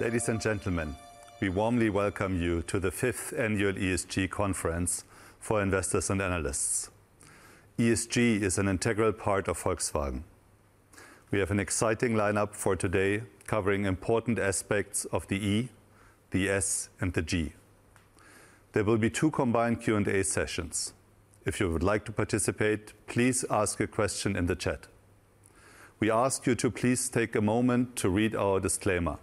Ladies and gentlemen, we warmly welcome you to the fifth annual ESG conference for investors and analysts. ESG is an integral part of Volkswagen. We have an exciting lineup for today covering important aspects of the E, the S and the G. There will be two combined Q&A sessions. If you would like to participate, please ask a question in the chat. We ask you to please take a moment to read our disclaimer.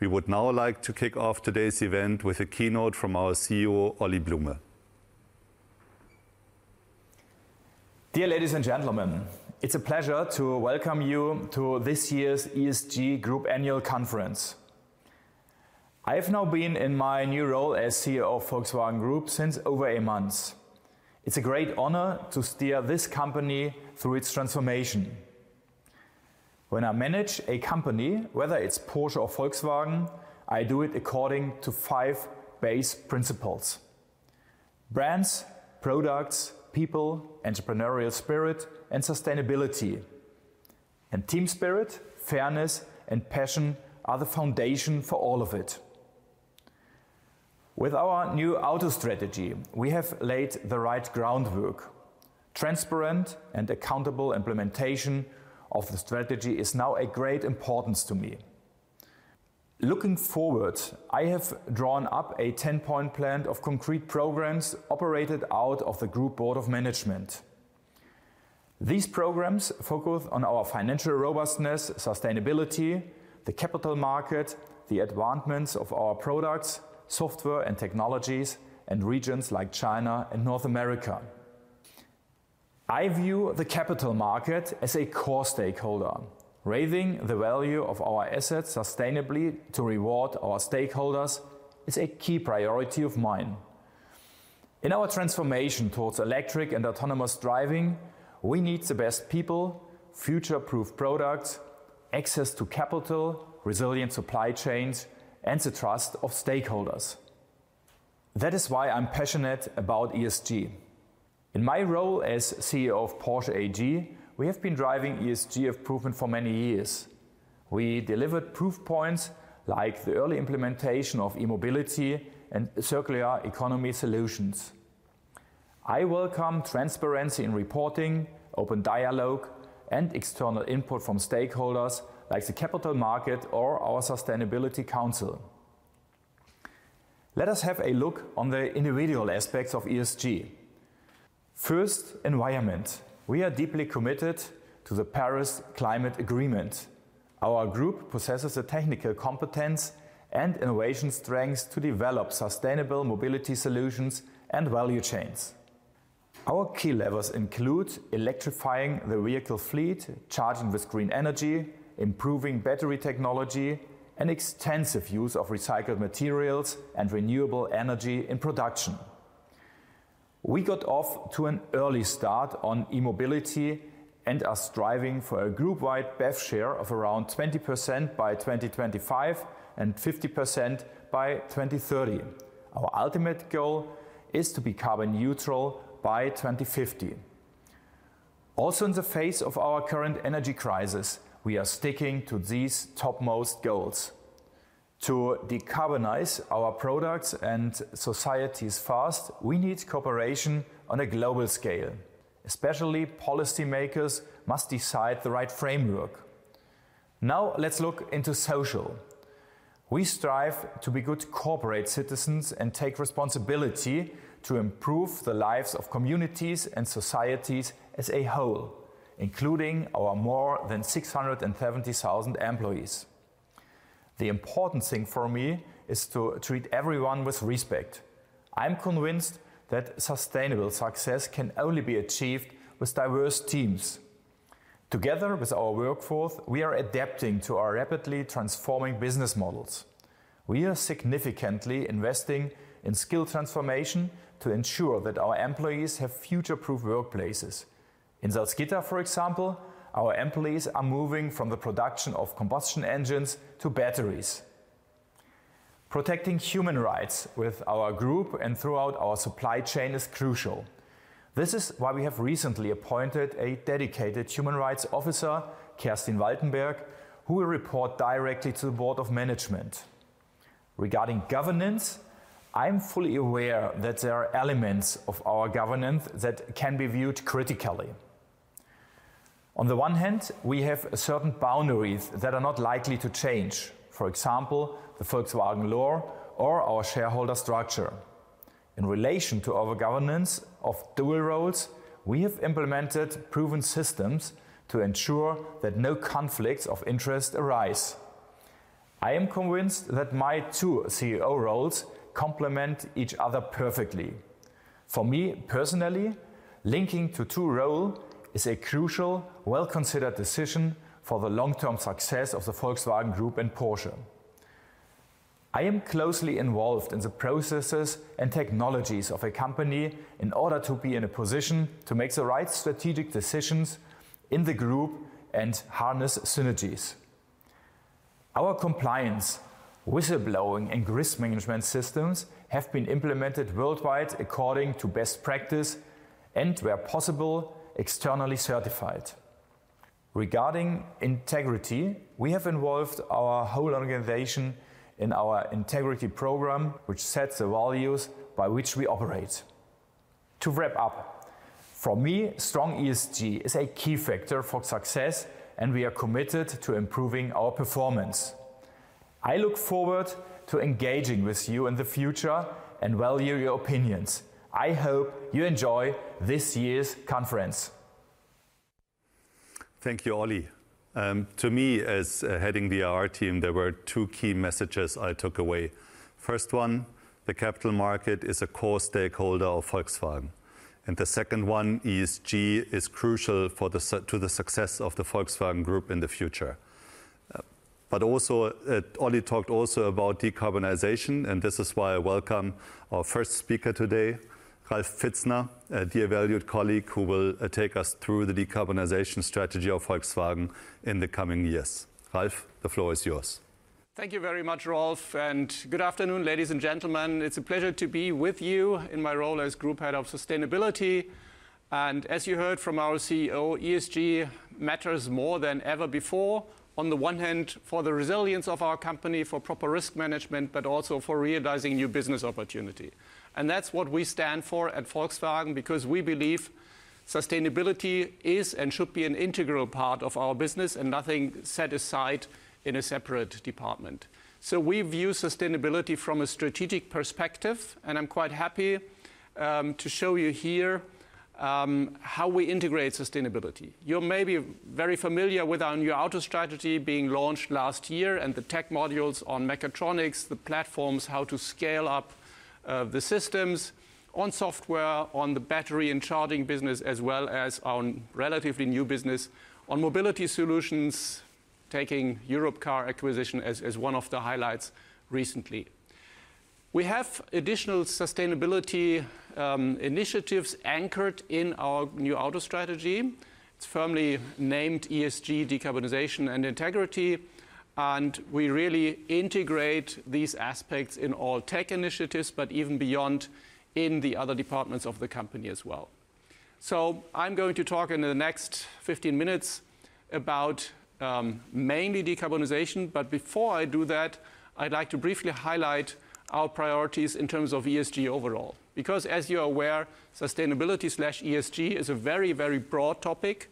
We would now like to kick off today's event with a keynote from our CEO, Oliver Blume. Dear ladies and gentlemen, it's a pleasure to welcome you to this year's ESG Group Annual Conference. I have now been in my new role as CEO of Volkswagen Group since over a month. It's a great honor to steer this company through its transformation. When I manage a company, whether it's Porsche or Volkswagen, I do it according to five base principles. Brands, products, people, entrepreneurial spirit and sustainability. Team spirit, fairness, and passion are the foundation for all of it. With our NEW AUTO strategy, we have laid the right groundwork. Transparent and accountable implementation of the strategy is now a great importance to me. Looking forward, I have drawn up a 10-point plan of concrete programs operated out of the Group Board of Management. These programs focus on our financial robustness, sustainability, the capital market, the advancements of our products, software and technologies, and regions like China and North America. I view the capital market as a core stakeholder. Raising the value of our assets sustainably to reward our stakeholders is a key priority of mine. In our transformation towards electric and autonomous driving, we need the best people, future-proof products, access to capital, resilient supply chains, and the trust of stakeholders. That is why I'm passionate about ESG. In my role as CEO of Porsche AG, we have been driving ESG improvement for many years. We delivered proof points like the early implementation of e-mobility and circular economy solutions. I welcome transparency in reporting, open dialogue and external input from stakeholders like the capital market or our Sustainability Council. Let us have a look on the individual aspects of ESG. First, environment. We are deeply committed to the Paris Agreement. Our group possesses the technical competence and innovation strengths to develop sustainable mobility solutions and value chains. Our key levers include electrifying the vehicle fleet, charging with green energy, improving battery technology, and extensive use of recycled materials and renewable energy in production. We got off to an early start on e-mobility and are striving for a group-wide BEV share of around 20% by 2025 and 50% by 2030. Our ultimate goal is to be carbon neutral by 2050. Also, in the face of our current energy crisis, we are sticking to these topmost goals. To decarbonize our products and societies fast, we need cooperation on a global scale, especially, policymakers must decide the right framework. Now let's look into social. We strive to be good corporate citizens and take responsibility to improve the lives of communities and societies as a whole, including our more than 670,000 employees. The important thing for me is to treat everyone with respect. I'm convinced that sustainable success can only be achieved with diverse teams. Together with our workforce, we are adapting to our rapidly transforming business models. We are significantly investing in skill transformation to ensure that our employees have future-proof workplaces. In Salzgitter, for example, our employees are moving from the production of combustion engines to batteries. Protecting human rights with our group and throughout our supply chain is crucial. This is why we have recently appointed a dedicated human rights officer, Kerstin Waltenberg, who will report directly to the Board of Management. Regarding governance, I am fully aware that there are elements of our governance that can be viewed critically. On the one hand, we have certain boundaries that are not likely to change. For example, the Volkswagen Law or our shareholder structure. In relation to our governance of dual roles, we have implemented proven systems to ensure that no conflicts of interest arise. I am convinced that my two CEO roles complement each other perfectly. For me, personally, linking the two roles is a crucial, well-considered decision for the long-term success of the Volkswagen Group and Porsche. I am closely involved in the processes and technologies of a company in order to be in a position to make the right strategic decisions in the group and harness synergies. Our compliance, whistleblowing, and risk management systems have been implemented worldwide according to best practice and where possible, externally certified. Regarding integrity, we have involved our whole organization in our integrity program, which sets the values by which we operate. To wrap up, for me, strong ESG is a key factor for success, and we are committed to improving our performance. I look forward to engaging with you in the future and value your opinions. I hope you enjoy this year's conference. Thank you, Olive Blume. To me, as heading the IR team, there were two key messages I took away. First one, the capital market is a core stakeholder of Volkswagen, and the second one, ESG is crucial to the success of the Volkswagen Group in the future. Also, Olive Blume talked also about decarbonization, and this is why I welcome our first speaker today, Ralf Pfitzner, a dear valued colleague who will take us through the decarbonization strategy of Volkswagen in the coming years. Ralf, the floor is yours. Thank you very much, Rolf, and good afternoon, ladies and gentlemen. It's a pleasure to be with you in my role as Group Head of Sustainability. As you heard from our CEO, ESG matters more than ever before. On the one hand, for the resilience of our company, for proper risk management, but also for realizing new business opportunity. That's what we stand for at Volkswagen because we believe sustainability is and should be an integral part of our business and nothing set aside in a separate department. We view sustainability from a strategic perspective, and I'm quite happy to show you here how we integrate sustainability. You may be very familiar with our NEW AUTO strategy being launched last year and the tech modules on mechatronics, the platforms, how to scale up, the systems on software, on the battery and charging business, as well as our relatively new business on mobility solutions, taking Europcar acquisition as one of the highlights recently. We have additional sustainability initiatives anchored in our NEW AUTO strategy. It's firmly named ESG Decarbonization and Integrity, and we really integrate these aspects in all tech initiatives, but even beyond, in the other departments of the company as well. I'm going to talk in the next 15 minutes about mainly decarbonization. Before I do that, I'd like to briefly highlight our priorities in terms of ESG overall, because as you're aware, sustainability slash ESG is a very, very broad topic.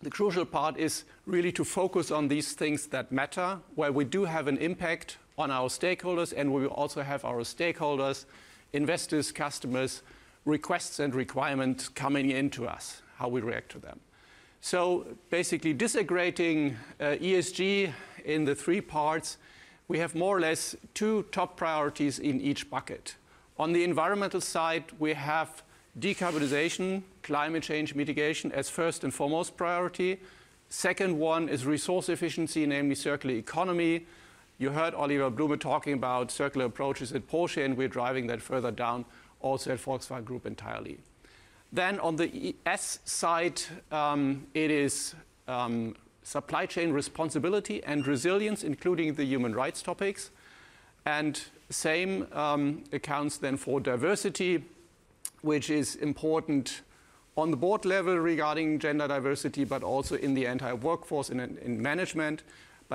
The crucial part is really to focus on these things that matter, where we do have an impact on our stakeholders and we also have our stakeholders, investors, customers, requests and requirements coming into us, how we react to them. So basically, disaggregating ESG into three parts, we have more or less two top priorities in each bucket. On the environmental side, we have decarbonization, climate change mitigation as first and foremost priority. Second one is resource efficiency, namely circular economy. You heard Oliver Blume talking about circular approaches at Porsche, and we're driving that further down also at Volkswagen Group entirely. On the S side, it is supply chain responsibility and resilience, including the human rights topics. Same accounts then for diversity, which is important on the board level regarding gender diversity, but also in the entire workforce in management.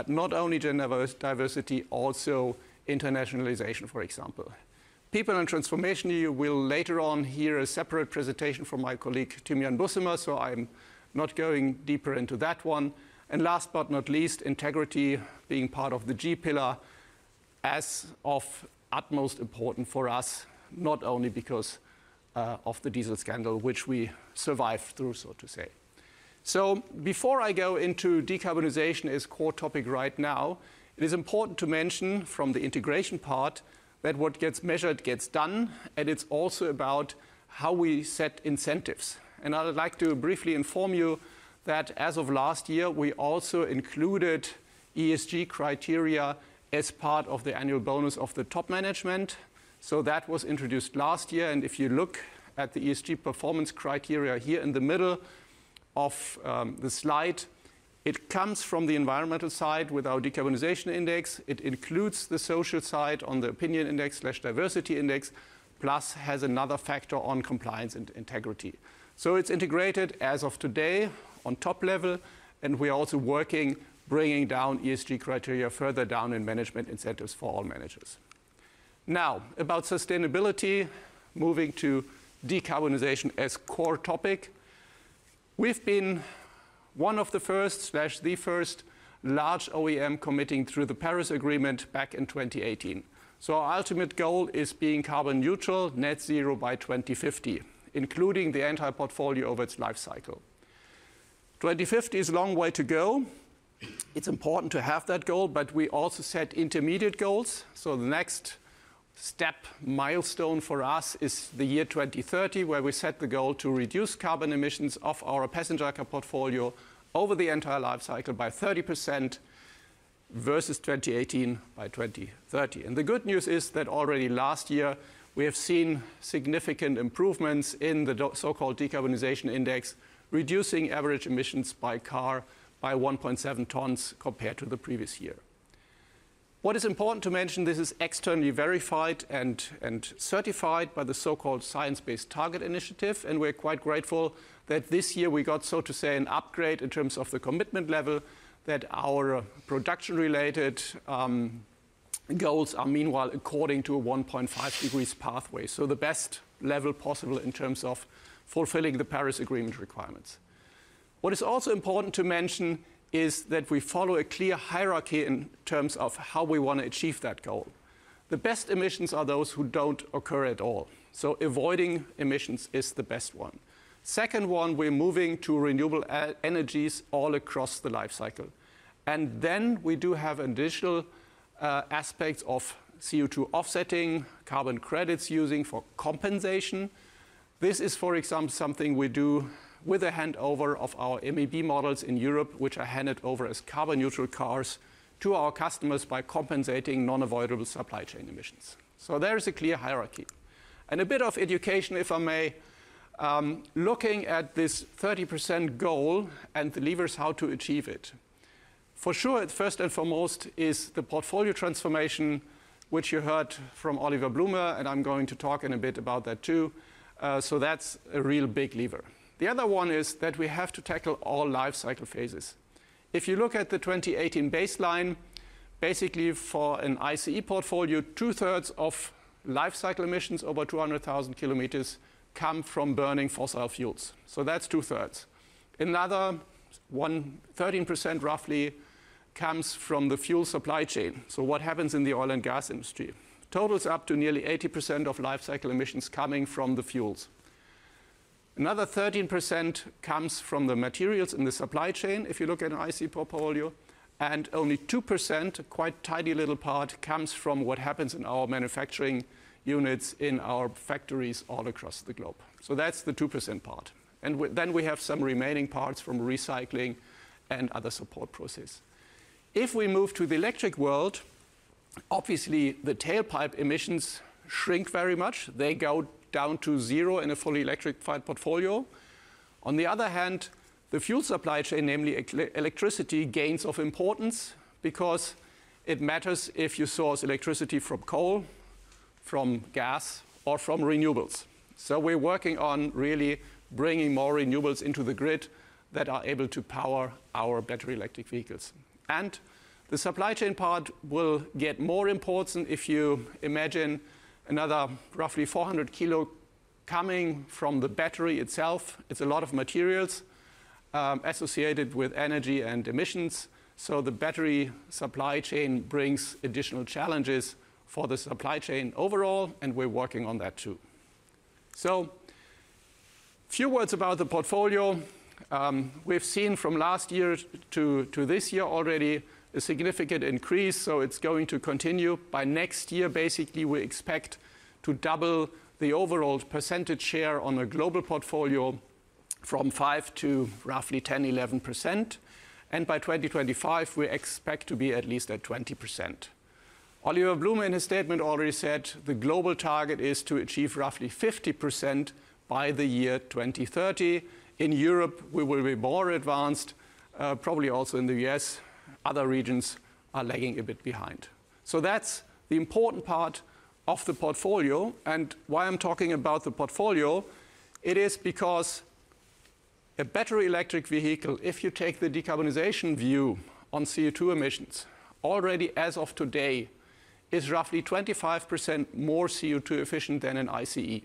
Not only gender diversity, also internationalization, for example. People and transformation, you will later on hear a separate presentation from my colleague, Thymian Bramer, so I'm not going deeper into that one. Last but not least, integrity being part of the G pillar as of utmost important for us, not only because of the diesel scandal, which we survived through, so to say. Before I go into decarbonization as core topic right now, it is important to mention from the integration part that what gets measured gets done, and it's also about how we set incentives. I would like to briefly inform you that as of last year, we also included ESG criteria as part of the annual bonus of the top management. That was introduced last year, and if you look at the ESG performance criteria here in the middle of the slide, it comes from the environmental side with our decarbonization index. It includes the social side on the opinion index / diversity index, plus has another factor on compliance and integrity. It's integrated as of today on top level, and we are also working, bringing down ESG criteria further down in management incentives for all managers. Now, about sustainability, moving to decarbonization as core topic. We've been one of the first / the first large OEM committing through the Paris Agreement back in 2018. Our ultimate goal is being carbon neutral, net zero by 2050, including the entire portfolio over its life cycle. 2050 is a long way to go. It's important to have that goal, but we also set intermediate goals. The next step, milestone for us is the year 2030, where we set the goal to reduce carbon emissions of our passenger car portfolio over the entire life cycle by 30% versus 2018 by 2030. The good news is that already last year, we have seen significant improvements in the so-called decarbonization index, reducing average emissions by car by 1.7 tons compared to the previous year. What is important to mention, this is externally verified and certified by the so-called Science Based Targets initiative, and we're quite grateful that this year we got, so to say, an upgrade in terms of the commitment level that our production-related goals are meanwhile according to a 1.5 degrees pathway. The best level possible in terms of fulfilling the Paris Agreement requirements. What is also important to mention is that we follow a clear hierarchy in terms of how we wanna achieve that goal. The best emissions are those who don't occur at all. Avoiding emissions is the best one. Second one, we're moving to renewable e-energies all across the life cycle. We do have additional aspects of CO₂ offsetting, carbon credits using for compensation. This is, for example, something we do with the handover of our MEB models in Europe, which are handed over as carbon neutral cars to our customers by compensating non-avoidable supply chain emissions. There is a clear hierarchy. A bit of education, if I may, looking at this 30% goal and the levers how to achieve it. For sure, first and foremost is the portfolio transformation, which you heard from Oliver Blume, and I'm going to talk in a bit about that too. That's a real big lever. The other one is that we have to tackle all life cycle phases. If you look at the 2018 baseline, basically for an ICE portfolio, two-thirds of life cycle emissions over 200,000 kilometers come from burning fossil fuels. That's two-thirds. Another one, 13% roughly comes from the fuel supply chain, so what happens in the oil and gas industry. Totals up to nearly 80% of life cycle emissions coming from the fuels. Another 13% comes from the materials in the supply chain, if you look at an ICE portfolio. Only 2%, a quite tidy little part, comes from what happens in our manufacturing units in our factories all across the globe. That's the 2% part. We have some remaining parts from recycling and other support process. If we move to the electric world, obviously the tailpipe emissions shrink very much. They go down to 0 in a fully electrified portfolio. On the other hand, the fuel supply chain, namely electricity, gains in importance because it matters if you source electricity from coal, from gas, or from renewables. We're working on really bringing more renewables into the grid that are able to power our battery electric vehicles. The supply chain part will get more important if you imagine another roughly 400 kg coming from the battery itself. It's a lot of materials associated with energy and emissions, so the battery supply chain brings additional challenges for the supply chain overall, and we're working on that too. Few words about the portfolio. We've seen from last year to this year already a significant increase, so it's going to continue. By next year, basically, we expect to double the overall percentage share on a global portfolio from 5% to roughly 10-11%, and by 2025, we expect to be at least at 20%. Oliver Blume in his statement already said the global target is to achieve roughly 50% by the year 2030. In Europe, we will be more advanced, probably also in the U.S. Other regions are lagging a bit behind. That's the important part of the portfolio. Why I'm talking about the portfolio, it is because a battery electric vehicle, if you take the decarbonization view on CO₂ emissions, already as of today, is roughly 25% more CO₂ efficient than an ICE.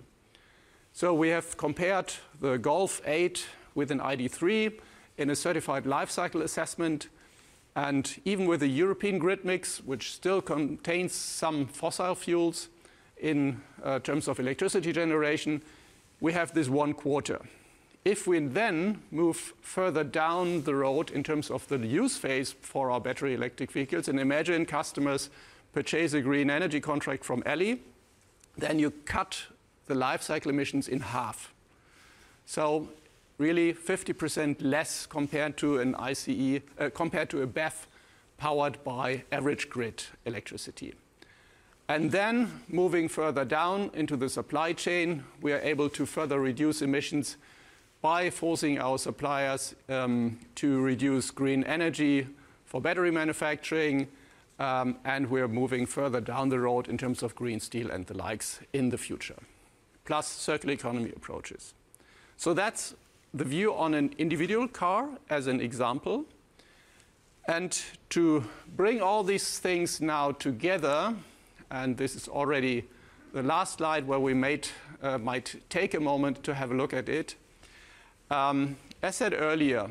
We have compared the Golf 8 with an ID.3 in a certified life cycle assessment. Even with the European grid mix, which still contains some fossil fuels in terms of electricity generation, we have this Q1. If we then move further down the road in terms of the use phase for our battery electric vehicles and imagine customers purchase a green energy contract from Elli, then you cut the life cycle emissions in half. Really 50% less compared to a BEV powered by average grid electricity. Moving further down into the supply chain, we are able to further reduce emissions by forcing our suppliers to use green energy for battery manufacturing, and we're moving further down the road in terms of green steel and the likes in the future, plus circular economy approaches. That's the view on an individual car as an example. To bring all these things now together, and this is already the last slide where we might take a moment to have a look at it. I said earlier,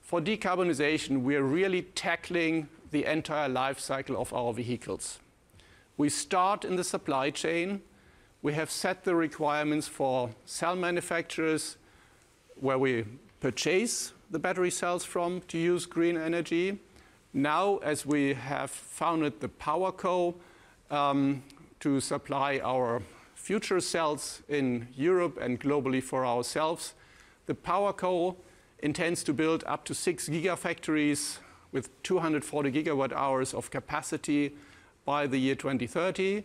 for decarbonization, we are really tackling the entire life cycle of our vehicles. We start in the supply chain. We have set the requirements for cell manufacturers, where we purchase the battery cells from to use green energy. Now, as we have founded the PowerCo, to supply our future cells in Europe and globally for ourselves, the PowerCo intends to build up to six gigafactories with 240 GWh of capacity by the year 2030.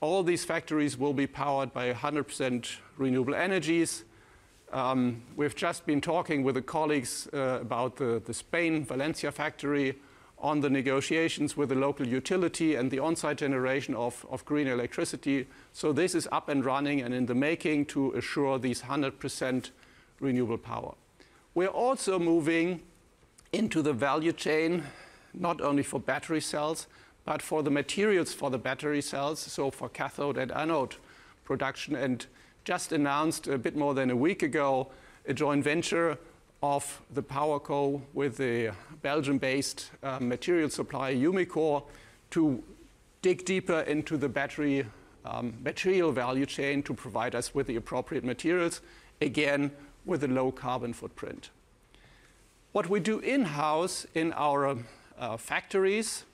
All these factories will be powered by 100% renewable energies. We've just been talking with the colleagues about the Spain Valencia factory on the negotiations with the local utility and the on-site generation of green electricity. This is up and running and in the making to assure these 100% renewable power. We're also moving into the value chain, not only for battery cells, but for the materials for the battery cells, so for cathode and anode production, and just announced a bit more than a week ago a joint venture of the PowerCo with the Belgian-based material supplier Umicore to dig deeper into the battery material value chain to provide us with the appropriate materials, again, with a low carbon footprint. What we do in-house in our factories,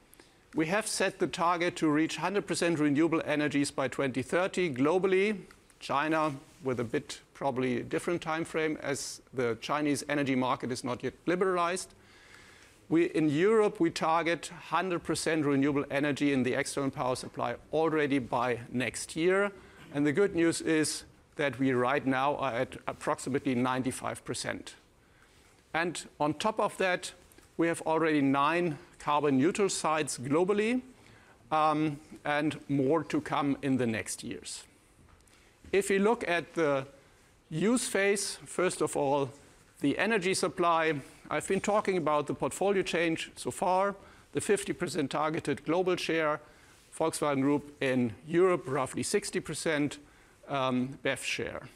we have set the target to reach 100% renewable energies by 2030 globally. China with a bit probably different timeframe as the Chinese energy market is not yet liberalized. We, in Europe, we target 100% renewable energy in the external power supply already by next year, and the good news is that we right now are at approximately 95%. On top of that, we have already nine carbon neutral sites globally, and more to come in the next years. If you look at the use phase, first of all, the energy supply, I've been talking about the portfolio change so far, the 50% targeted global share, Volkswagen Group in Europe, roughly 60%, BEV share.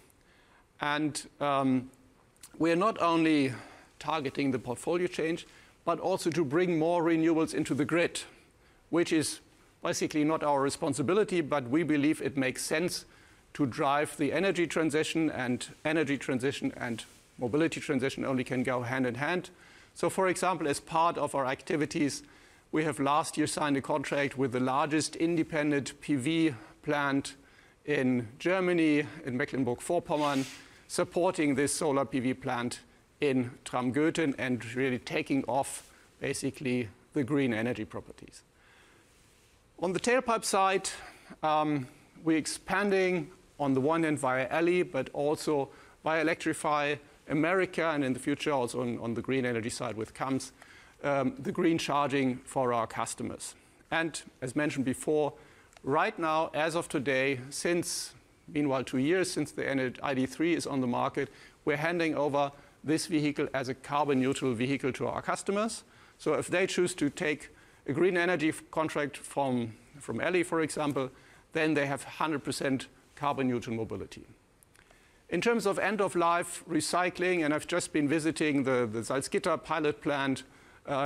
We are not only targeting the portfolio change, but also to bring more renewables into the grid, which is basically not our responsibility, but we believe it makes sense to drive the energy transition, and energy transition and mobility transition only can go hand in hand. For example, as part of our activities, we have last year signed a contract with the largest independent PV plant in Germany, in Mecklenburg-Vorpommern, supporting this solar PV plant in Tramm-Gützin and really taking off basically the green energy properties. On the tailpipe side, we're expanding on the one end via Elli, but also by Electrify America and in the future also on the green energy side with CAMS, the green charging for our customers. As mentioned before, right now as of today, since meanwhile two years since the ID.3 is on the market, we're handing over this vehicle as a carbon neutral vehicle to our customers. If they choose to take a green energy contract from Elli, for example, then they have 100% carbon neutral mobility. In terms of end of life recycling, I've just been visiting the Salzgitter pilot plant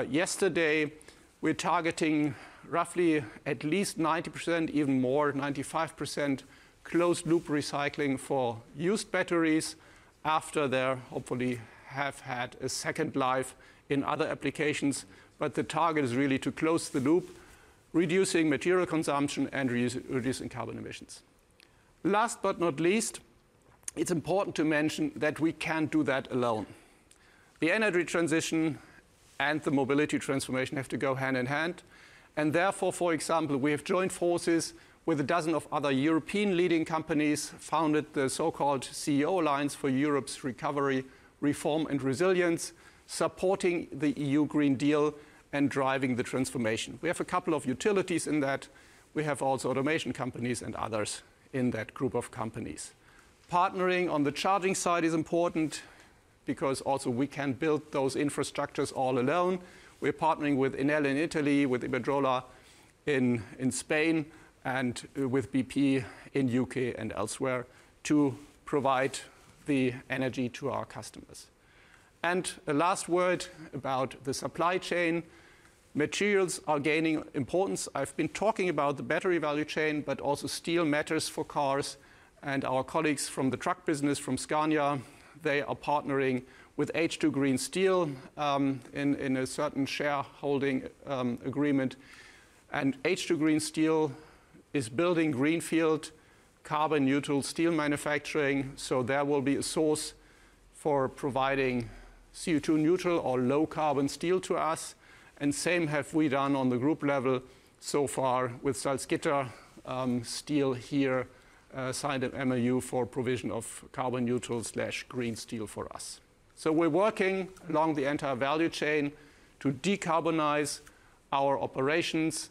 yesterday, we're targeting roughly at least 90%, even more, 95% closed loop recycling for used batteries after they're hopefully have had a second life in other applications. The target is really to close the loop, reducing material consumption and reducing carbon emissions. Last but not least, it's important to mention that we can't do that alone. The energy transition and the mobility transformation have to go hand in hand, and therefore, for example, we have joined forces with a dozen of other European leading companies, founded the so-called CEO Alliance for Europe's Recovery, Reform and Resilience, supporting the EU Green Deal and driving the transformation. We have a couple of utilities in that. We have also automation companies and others in that group of companies. Partnering on the charging side is important because also we can't build those infrastructures all alone. We're partnering with Enel in Italy, with Iberdrola in Spain, and with BP in UK and elsewhere to provide the energy to our customers. A last word about the supply chain. Materials are gaining importance. I've been talking about the battery value chain, but also steel matters for cars and our colleagues from the truck business from Scania, they are partnering with H2 Green Steel in a certain shareholding agreement. H2 Green Steel is building greenfield carbon neutral steel manufacturing, so there will be a source for providing CO2 neutral or low carbon steel to us, and same have we done on the group level so far with Salzgitter Steel here, signed an MOU for provision of carbon neutral slash green steel for us. We're working along the entire value chain to decarbonize our operations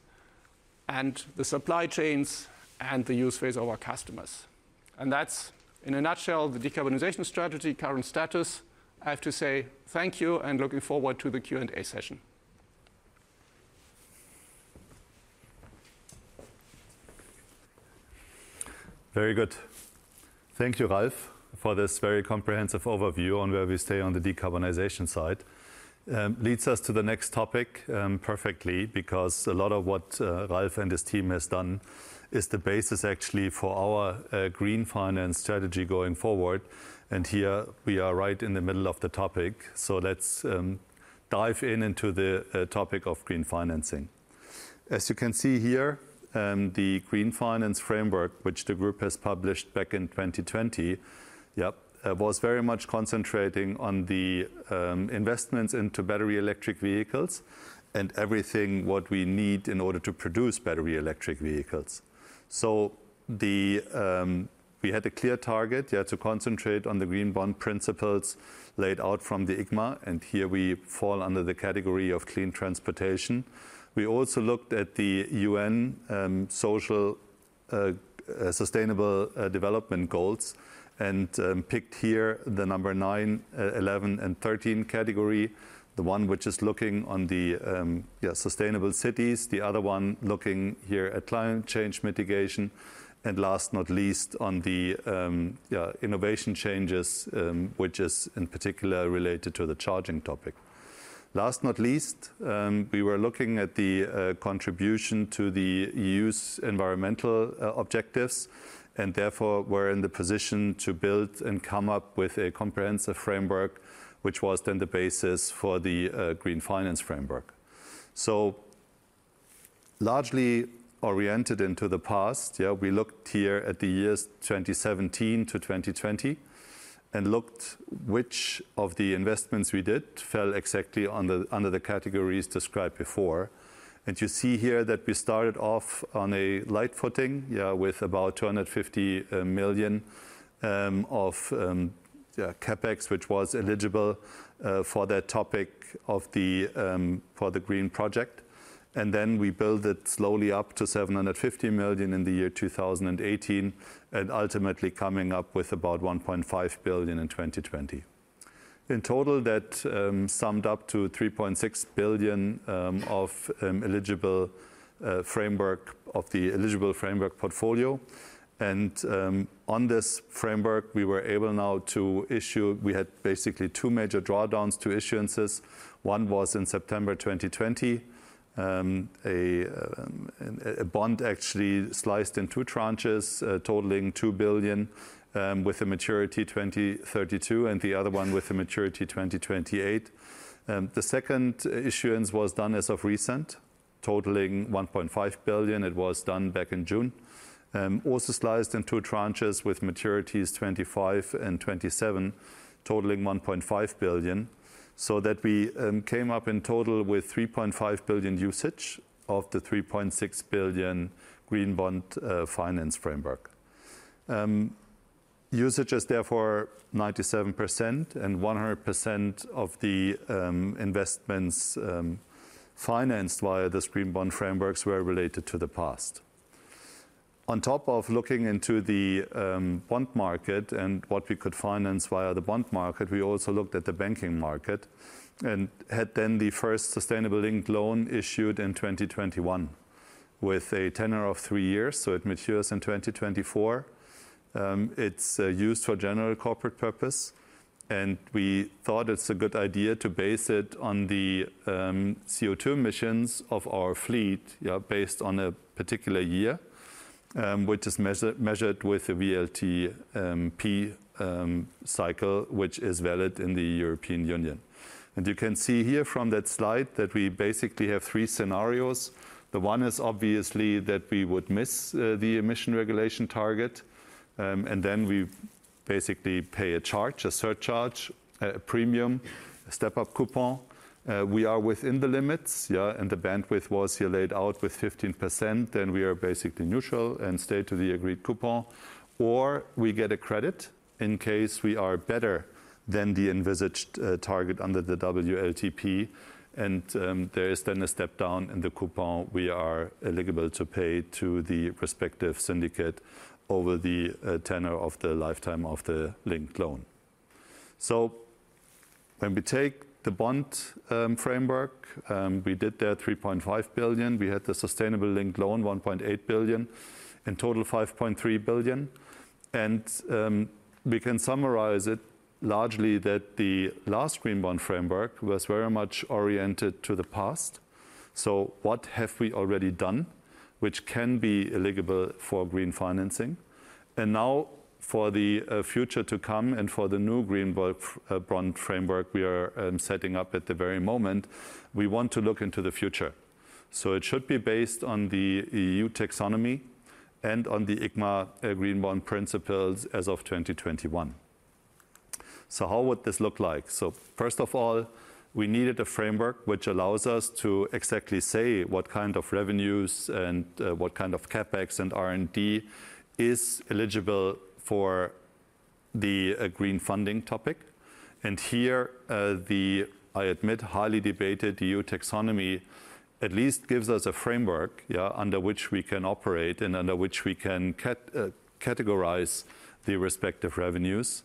and the supply chains and the use phase of our customers. That's in a nutshell the decarbonization strategy current status. I have to say thank you and looking forward to the Q&A session. Very good. Thank you, Ralf, for this very comprehensive overview on where we stay on the decarbonization side. Leads us to the next topic perfectly because a lot of what Ralf and his team has done is the basis actually for our green finance strategy going forward, and here we are right in the middle of the topic. Let's dive in into the topic of green financing. As you can see here, the green finance framework, which the group has published back in 2020, yep, was very much concentrating on the investments into battery electric vehicles and everything what we need in order to produce battery electric vehicles. We had a clear target, yeah, to concentrate on the green bond principles laid out from the ICMA, and here we fall under the category of clean transportation. We also looked at the UN Sustainable Development Goals and picked here the 9, 11 and 13 category. The one which is looking on the sustainable cities, the other one looking here at climate change mitigation, and last but not least, on the innovation changes, which is in particular related to the charging topic. Last but not least, we were looking at the contribution to the EU's environmental objectives, and therefore, we're in the position to build and come up with a comprehensive framework, which was then the basis for the Green Finance Framework. Largely oriented into the past, we looked here at the years 2017 to 2020 and looked which of the investments we did fell exactly under the categories described before. You see here that we started off on a light footing with about 250 million of CapEx, which was eligible for the green project. Then we build it slowly up to 750 million in the year 2018, and ultimately coming up with about 1.5 billion in 2020. In total, that summed up to 3.6 billion of eligible framework portfolio. On this framework, we were able now to issue. We had basically two major drawdowns, two issuances. One was in September 2020. A bond actually sized in two tranches, totaling 2 billion, with a maturity 2032, and the other one with a maturity 2028. The second issuance was done as of recent, totaling 1.5 billion. It was done back in June. Also sliced in two tranches with maturities 25 and 27, totaling 1.5 billion, so that we came up in total with 3.5 billion usage of the 3.6 billion green bond financing framework. Usage is therefore 97% and 100% of the investments financed via this green bond frameworks were related to the past. On top of looking into the bond market and what we could finance via the bond market, we also looked at the banking market and had then the first sustainability-linked loan issued in 2021 with a tenure of three years, so it matures in 2024. It's used for general corporate purpose, and we thought it's a good idea to base it on the CO2 emissions of our fleet, yeah, based on a particular year, which is measured with a WLTP cycle, which is valid in the European Union. You can see here from that slide that we basically have three scenarios. The one is obviously that we would miss the emission regulation target, and then we basically pay a charge, a surcharge, a premium, a step-up coupon. We are within the limits, and the bandwidth was here laid out with 15%, then we are basically neutral and stay to the agreed coupon. We get a credit in case we are better than the envisaged target under the WLTP, and there is then a step-down in the coupon we are eligible to pay to the respective syndicate over the tenure of the lifetime of the linked loan. When we take the bond framework, we did there 3.5 billion. We had the sustainable linked loan, 1.8 billion. In total, 5.3 billion. We can summarize it largely that the last green bond framework was very much oriented to the past. What have we already done which can be eligible for green financing? Now, for the future to come and for the new green bond framework we are setting up at the very moment, we want to look into the future. It should be based on the EU Taxonomy and on the ICMA Green Bond Principles as of 2021. How would this look like? First of all, we needed a framework which allows us to exactly say what kind of revenues and what kind of CapEx and R&D is eligible for the green funding topic. Here, the I admit, highly debated EU Taxonomy at least gives us a framework under which we can operate and under which we can categorize the respective revenues.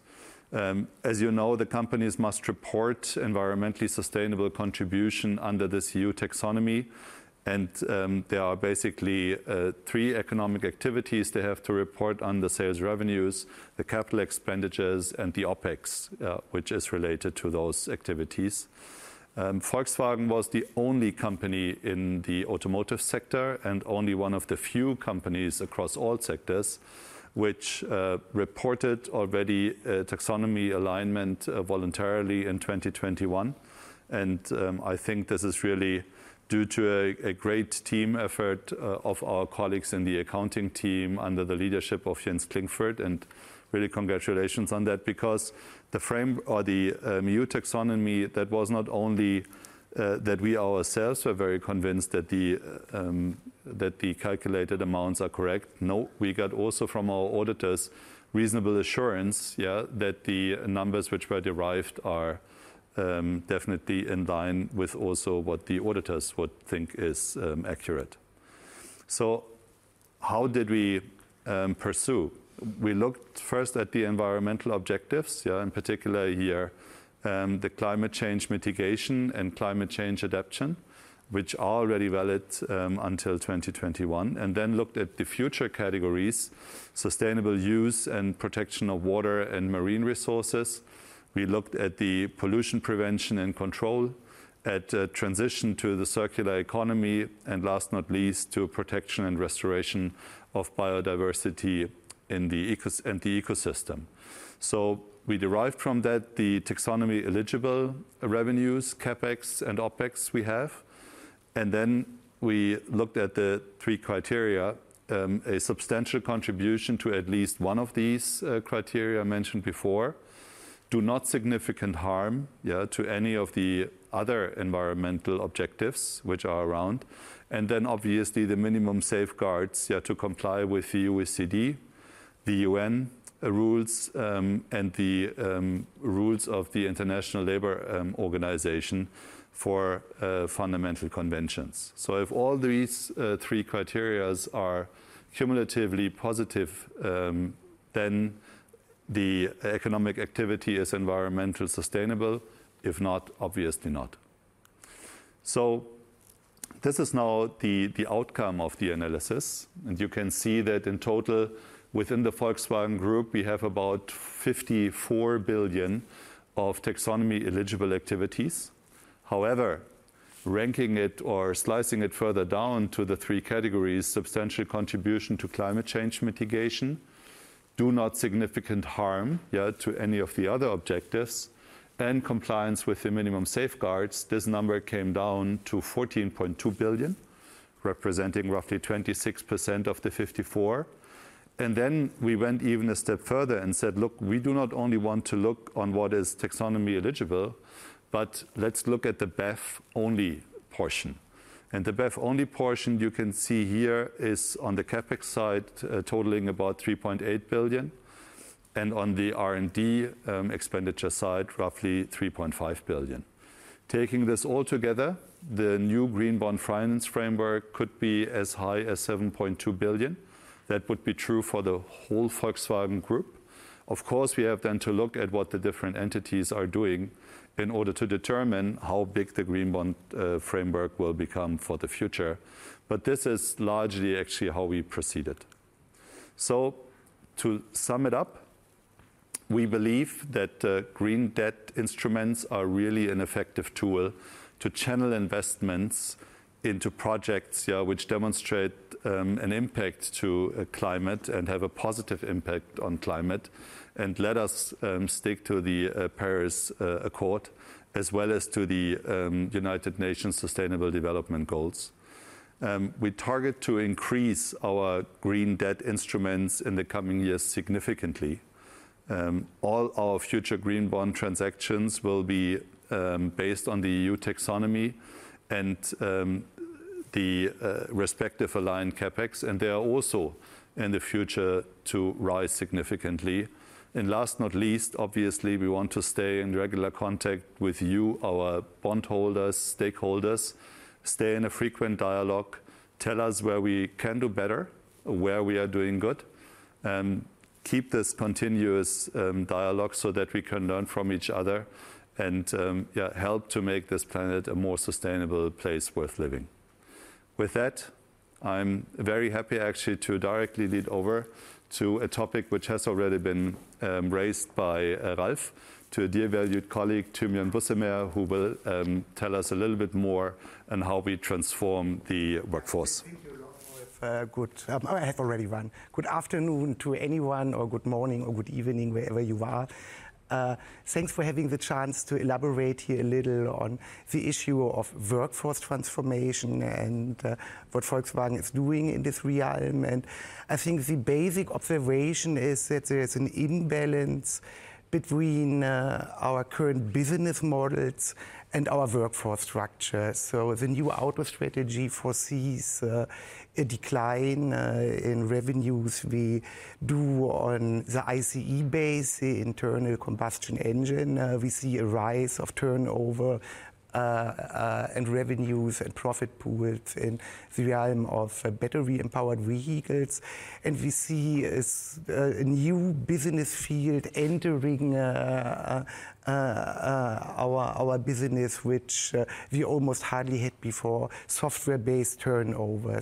As you know, the companies must report environmentally sustainable contribution under this EU Taxonomy, and there are basically three economic activities they have to report on the sales revenues, the capital expenditures, and the OpEx which is related to those activities. Volkswagen was the only company in the automotive sector and only one of the few companies across all sectors which reported already a taxonomy alignment voluntarily in 2021. I think this is really due to a great team effort of our colleagues in the accounting team under the leadership of Jens Klingfurt, and really congratulations on that because the frame or the EU Taxonomy, that was not only that we ourselves were very convinced that the calculated amounts are correct. No, we got also from our auditors reasonable assurance that the numbers which were derived are definitely in line with also what the auditors would think is accurate. How did we pursue? We looked first at the environmental objectives, in particular here, the climate change mitigation and climate change adaptation, which are already valid until 2021. We looked at the future categories, sustainable use and protection of water and marine resources. We looked at the pollution prevention and control, transition to the circular economy, and last but not least, protection and restoration of biodiversity in the ecosystem. We derived from that the taxonomy-eligible revenues, CapEx and OpEx we have. We looked at the three criteria. A substantial contribution to at least one of these criteria mentioned before. Do no significant harm to any of the other environmental objectives which are around. Obviously the minimum safeguards, yeah, to comply with the OECD, the UN rules, and the rules of the International Labour Organization for fundamental conventions. If all these three criteria are cumulatively positive, then the economic activity is environmentally sustainable. If not, obviously not. This is now the outcome of the analysis. You can see that in total, within the Volkswagen Group, we have about 54 billion of taxonomy-eligible activities. However, ranking it or slicing it further down to the three categories, substantial contribution to climate change mitigation, do no significant harm, yeah, to any of the other objectives, and compliance with the minimum safeguards, this number came down to 14.2 billion, representing roughly 26% of the 54. We went even a step further and said, "Look, we do not only want to look on what is taxonomy eligible, but let's look at the BEV-only portion." The BEV-only portion, you can see here, is on the CapEx side, totaling about 3.8 billion, and on the R&D expenditure side, roughly 3.5 billion. Taking this all together, the new green bond finance framework could be as high as 7.2 billion. That would be true for the whole Volkswagen Group. Of course, we have then to look at what the different entities are doing in order to determine how big the green bond framework will become for the future. This is largely actually how we proceeded. To sum it up, we believe that green debt instruments are really an effective tool to channel investments into projects which demonstrate an impact on climate and have a positive impact on climate, and let us stick to the Paris Agreement, as well as to the United Nations Sustainable Development Goals. We target to increase our green debt instruments in the coming years significantly. All our future green bond transactions will be based on the EU Taxonomy and the respective aligned CapEx, and they are also in the future to rise significantly. Last but not least, obviously, we want to stay in regular contact with you, our bondholders, stakeholders. Stay in a frequent dialogue. Tell us where we can do better, where we are doing good. Keep this continuous dialogue so that we can learn from each other and, yeah, help to make this planet a more sustainable place worth living. With that, I'm very happy actually to directly lead over to a topic which has already been raised by Ralf to a dear valued colleague, Thymian Bussemer, who will tell us a little bit more on how we transform the workforce. Thank you a lot, Rolf. Good afternoon to anyone, or good morning or good evening, wherever you are. Thanks for having the chance to elaborate here a little on the issue of workforce transformation and what Volkswagen is doing in this realm. I think the basic observation is that there is an imbalance between our current business models and our workforce structure. The NEW AUTO strategy foresees a decline in revenues we do on the ICE base, the internal combustion engine. We see a rise of turnover and revenues and profit pools in the realm of battery-empowered vehicles. We see a new business field entering our business, which we almost hardly had before, software-based turnover.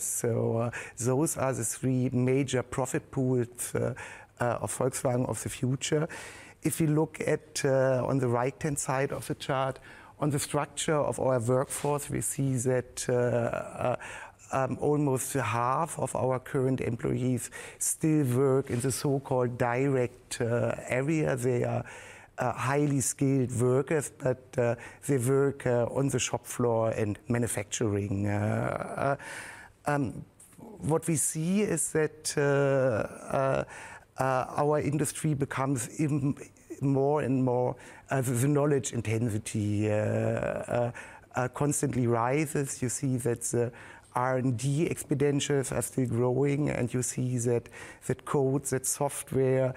Those are the three major profit pools of Volkswagen of the future. If you look at on the right-hand side of the chart, on the structure of our workforce, we see that almost half of our current employees still work in the so-called direct area. They are highly skilled workers, but they work on the shop floor in manufacturing. What we see is that our industry becomes even more and more of the knowledge intensity constantly rises. You see that R&D expenditures are still growing, and you see that that code, that software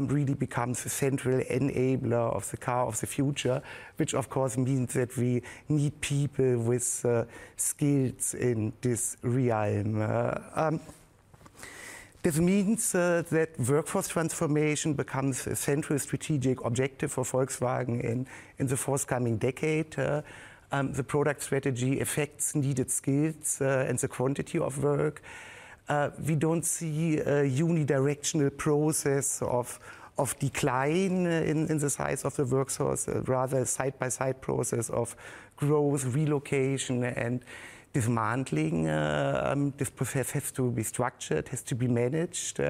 really becomes a central enabler of the car of the future, which of course means that we need people with skills in this realm. This means that workforce transformation becomes a central strategic objective for Volkswagen in the forthcoming decade. The product strategy affects needed skills and the quantity of work. We don't see a unidirectional process of decline in the size of the workforce, rather side-by-side process of growth, relocation, and dismantling. This process has to be structured, has to be managed.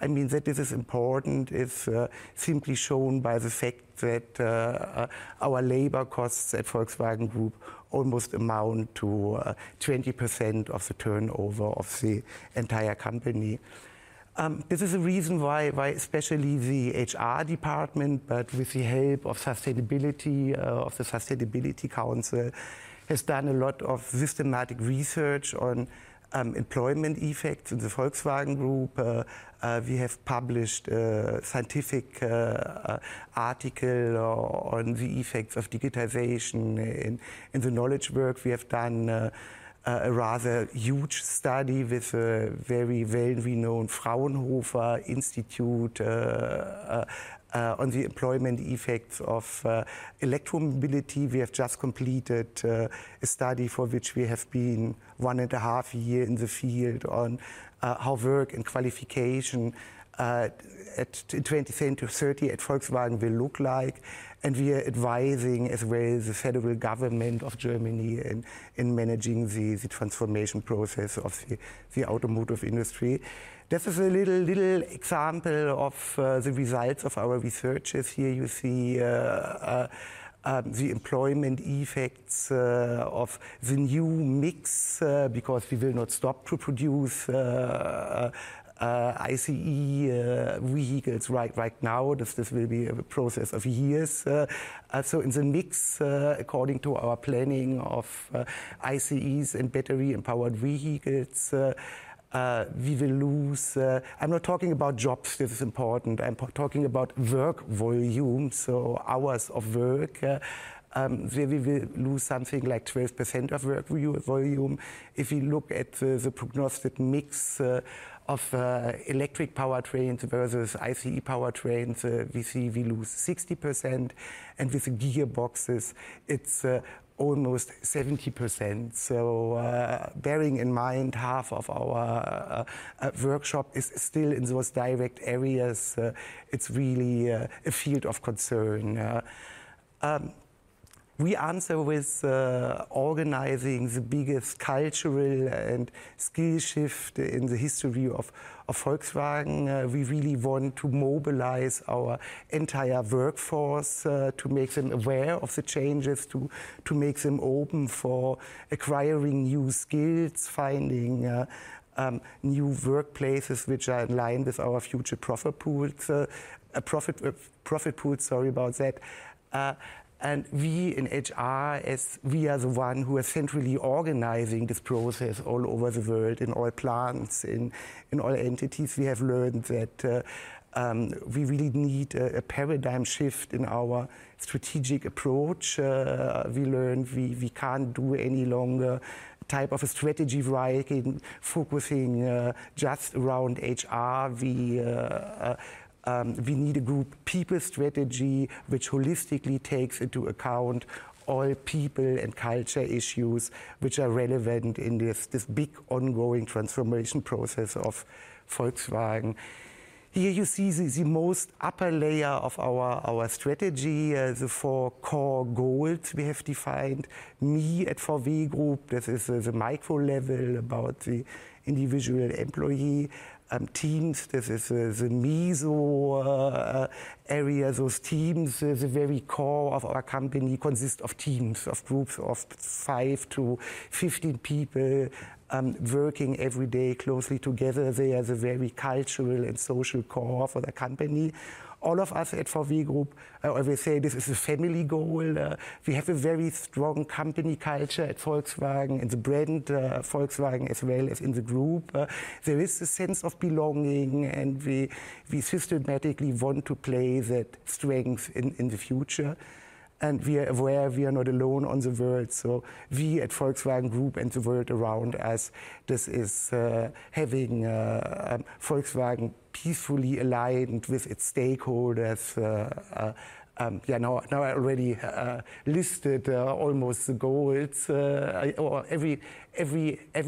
I mean, that this is important is simply shown by the fact that our labor costs at Volkswagen Group almost amount to 20% of the turnover of the entire company. This is the reason why especially the HR department, but with the help of sustainability of the Sustainability Council, has done a lot of systematic research on employment effects in the Volkswagen Group. We have published a scientific article on the effects of digitization in the knowledge work. We have done a rather huge study with a very well-renowned Fraunhofer Institute on the employment effects of electromobility. We have just completed a study for which we have been one and a half year in the field on how work and qualification at 2010-2030 at Volkswagen will look like. We are advising as well the federal government of Germany in managing the transformation process of the automotive industry. This is a little example of the results of our researches. Here you see the employment effects of the new mix because we will not stop to produce ICE vehicles right now. This will be a process of years. In the mix, according to our planning of ICEs and battery-empowered vehicles, we will lose. I'm not talking about jobs. This is important. I'm talking about work volume, so hours of work. We will lose something like 12% of work volume. If you look at the prognostic mix of electric powertrains versus ICE powertrains, we see we lose 60%, and with gearboxes it's almost 70%. Bearing in mind half of our workshop is still in those direct areas, it's really a field of concern. We answer with organizing the biggest cultural and skill shift in the history of Volkswagen. We really want to mobilize our entire workforce to make them aware of the changes, to make them open for acquiring new skills, finding new workplaces which are in line with our future profit pools, sorry about that. We in HR as we are the one who are centrally organizing this process all over the world, in all plants, all entities, we have learned that we really need a paradigm shift in our strategic approach. We learned we can't do any longer type of a strategy variety focusing just around HR. We need a group people strategy which holistically takes into account all people and culture issues which are relevant in this big ongoing transformation process of Volkswagen. Here you see the most upper layer of our strategy. The four core goals we have defined. Me at VW Group, this is the micro level about the individual employee. Teams, this is the meso area. Those teams, the very core of our company consists of teams, of groups of 5 to 15 people, working every day closely together. They are the very cultural and social core for the company. All of us at VW Group, we say this is a family goal. We have a very strong company culture at Volkswagen, and the brand, Volkswagen as well as in the group. There is a sense of belonging, and we systematically want to play that strength in the future. We are aware we are not alone in the world, so we at Volkswagen Group and the world around us. This is having Volkswagen peacefully aligned with its stakeholders. Now I already listed almost the goals. Or every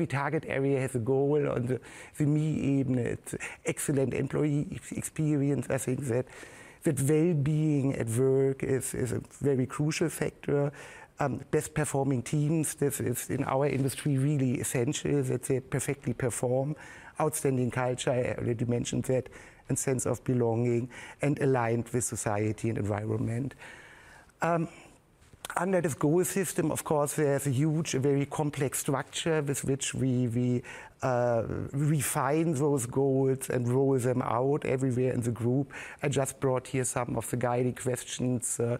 target area has a goal. On the MEB, even it's excellent employee experience. I think that wellbeing at work is a very crucial factor. Best performing teams. This is in our industry really essential that they perfectly perform. Outstanding culture, I already mentioned that. Sense of belonging and aligned with society and environment. Under this goal system, of course we have a huge very complex structure with which we refine those goals and roll them out everywhere in the group. I just brought here some of the guiding questions to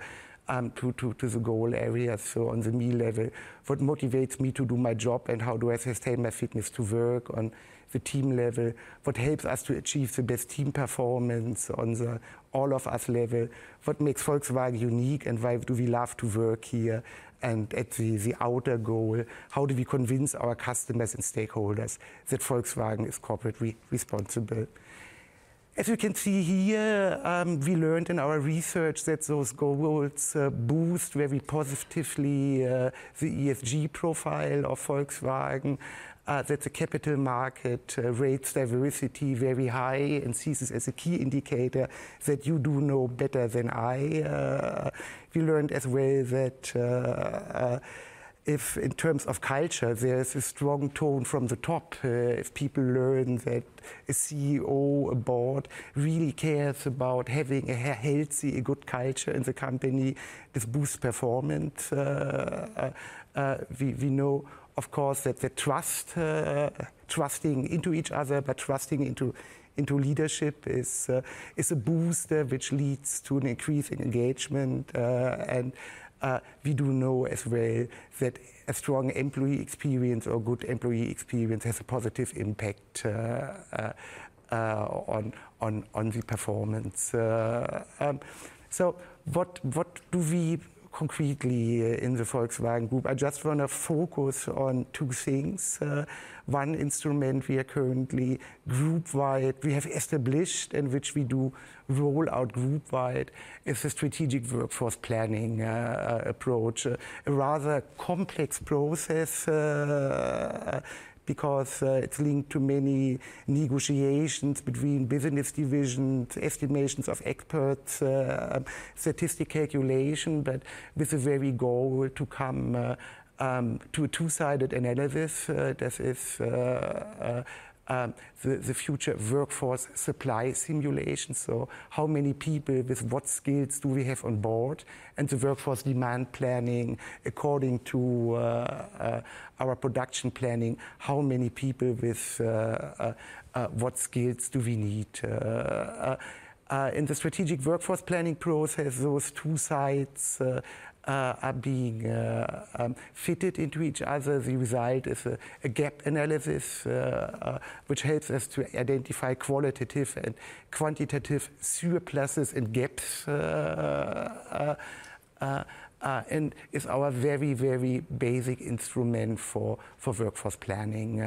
the goal areas. On the me level, what motivates me to do my job, and how do I sustain my fitness to work? On the team level, what helps us to achieve the best team performance? On the all of us level, what makes Volkswagen unique, and why do we love to work here? At the outer goal, how do we convince our customers and stakeholders that Volkswagen is corporate responsible? As you can see here, we learned in our research that those goals boost very positively the ESG profile of Volkswagen, that the capital market rates diversity very high and sees this as a key indicator that you do know better than I. We learned as well that if in terms of culture, there's a strong tone from the top, if people learn that a CEO, a board really cares about having a healthy, good culture in the company, this boosts performance. We know, of course, that the trust in each other, but trust in leadership is a booster which leads to an increase in engagement. We do know as well that a strong employee experience or good employee experience has a positive impact on the performance. What do we do concretely in the Volkswagen Group? I just wanna focus on two things. One instrument we are currently group-wide, we have established and which we do roll out group-wide is a strategic workforce planning approach. A rather complex process, because it's linked to many negotiations between business divisions, estimations of experts, statistic calculation. With the very goal to come to a two-sided analysis, that is, the future workforce supply simulation. How many people with what skills do we have on board? The workforce demand planning according to our production planning, how many people with what skills do we need. In the strategic workforce planning process, those two sides are being fitted into each other. The result is a gap analysis, which helps us to identify qualitative and quantitative surpluses and gaps, and is our very, very basic instrument for workforce planning.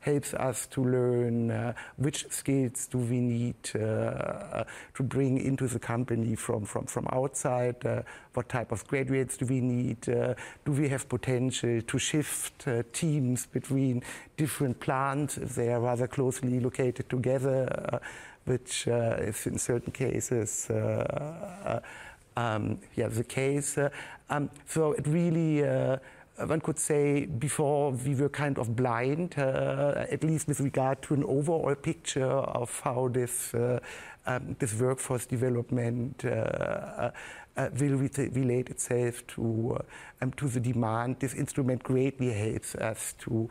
Helps us to learn which skills do we need to bring into the company from outside. What type of graduates do we need? Do we have potential to shift teams between different plants if they are rather closely located together, which if in certain cases, the case. It really, one could say, before we were kind of blind at least with regard to an overall picture of how this workforce development will relate itself to the demand. This instrument greatly helps us to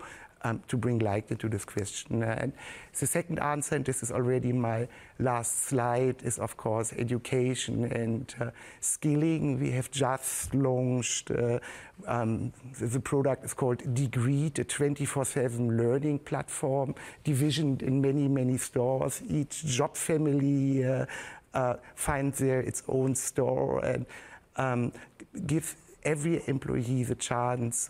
bring light into this question. The second answer, and this is already my last slide, is of course education and skilling. We have just launched the product is called Degreed, a 24/7 learning platform, divided into many, many stores. Each job family finds there its own store and gives every employee the chance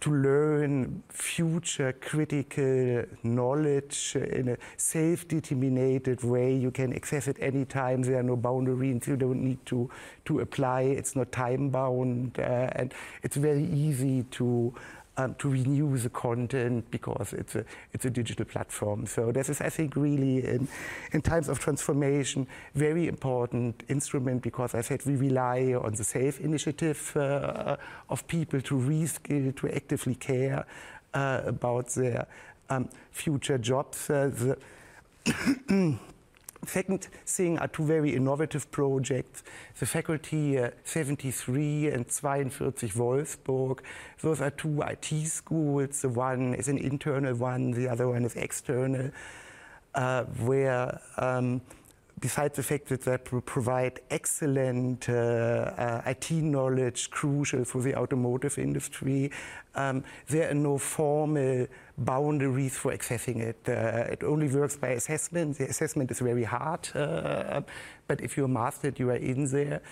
to learn future critical knowledge in a self-determined way. You can access it any time. There are no boundaries. You don't need to apply. It's not time-bound. It's very easy to renew the content because it's a digital platform. This is, I think, really in times of transformation, very important instrument because I said we rely on the self-initiative of people to reskill, to actively care about their future jobs. The second thing are two very innovative projects, the Faculty 73 and 42 Wolfsburg. Those are two IT schools. One is an internal one, the other one is external, where, besides the fact that they provide excellent IT knowledge crucial for the automotive industry, there are no formal boundaries for accessing it. It only works by assessment. The assessment is very hard, but if you master it, you are in there.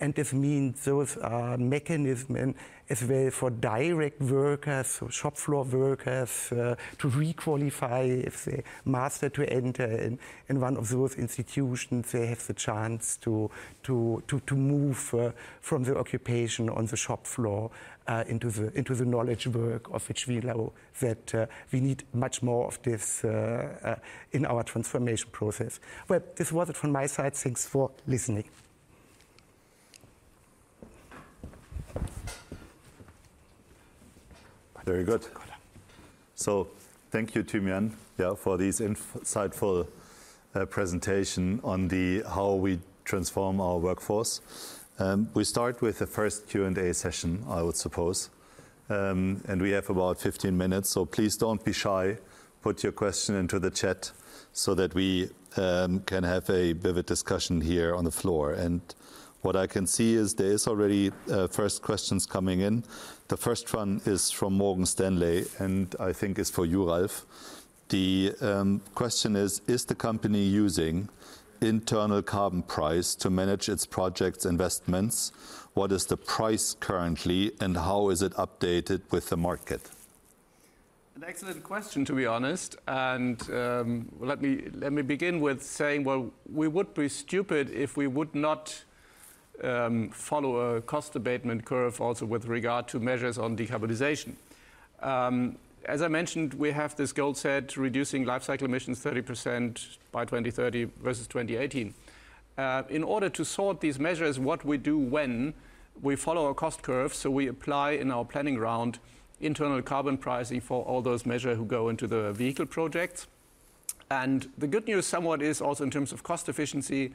This means those are mechanism as well for direct workers or shop floor workers to re-qualify if they master to enter in one of those institutions. They have the chance to move from the occupation on the shop floor into the knowledge work of which we know that we need much more of this in our transformation process. Well, this was it from my side. Thanks for listening. Very good. Thank you, Thymian, yeah, for this insightful presentation on how we transform our workforce. We start with the first Q&A session, I would suppose. We have about 15 minutes, so please don't be shy. Put your question into the chat so that we can have a vivid discussion here on the floor. What I can see is there is already first questions coming in. The first one is from Morgan Stanley, and I think it's for you, Ralf. The question is: Is the company using internal carbon price to manage its projects investments? What is the price currently, and how is it updated with the market? An excellent question, to be honest. We would be stupid if we would not follow a cost abatement curve also with regard to measures on decarbonization. As I mentioned, we have this goal set to reducing lifecycle emissions 30% by 2030 versus 2018. In order to sort these measures, what we do when we follow a cost curve, so we apply in our planning round internal carbon pricing for all those measures that go into the vehicle projects. The good news somewhat is also in terms of cost efficiency,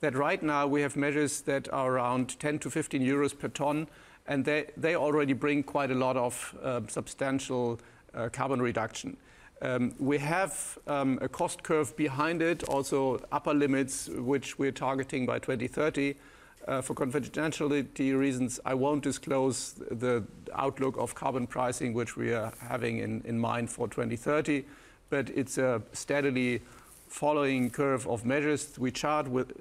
that right now we have measures that are around 10-15 euros per ton, and they already bring quite a lot of substantial carbon reduction. We have a cost curve behind it, also upper limits which we're targeting by 2030. For confidentiality reasons, I won't disclose the outlook of carbon pricing, which we are having in mind for 2030, but it's a steadily following curve of measures. We start with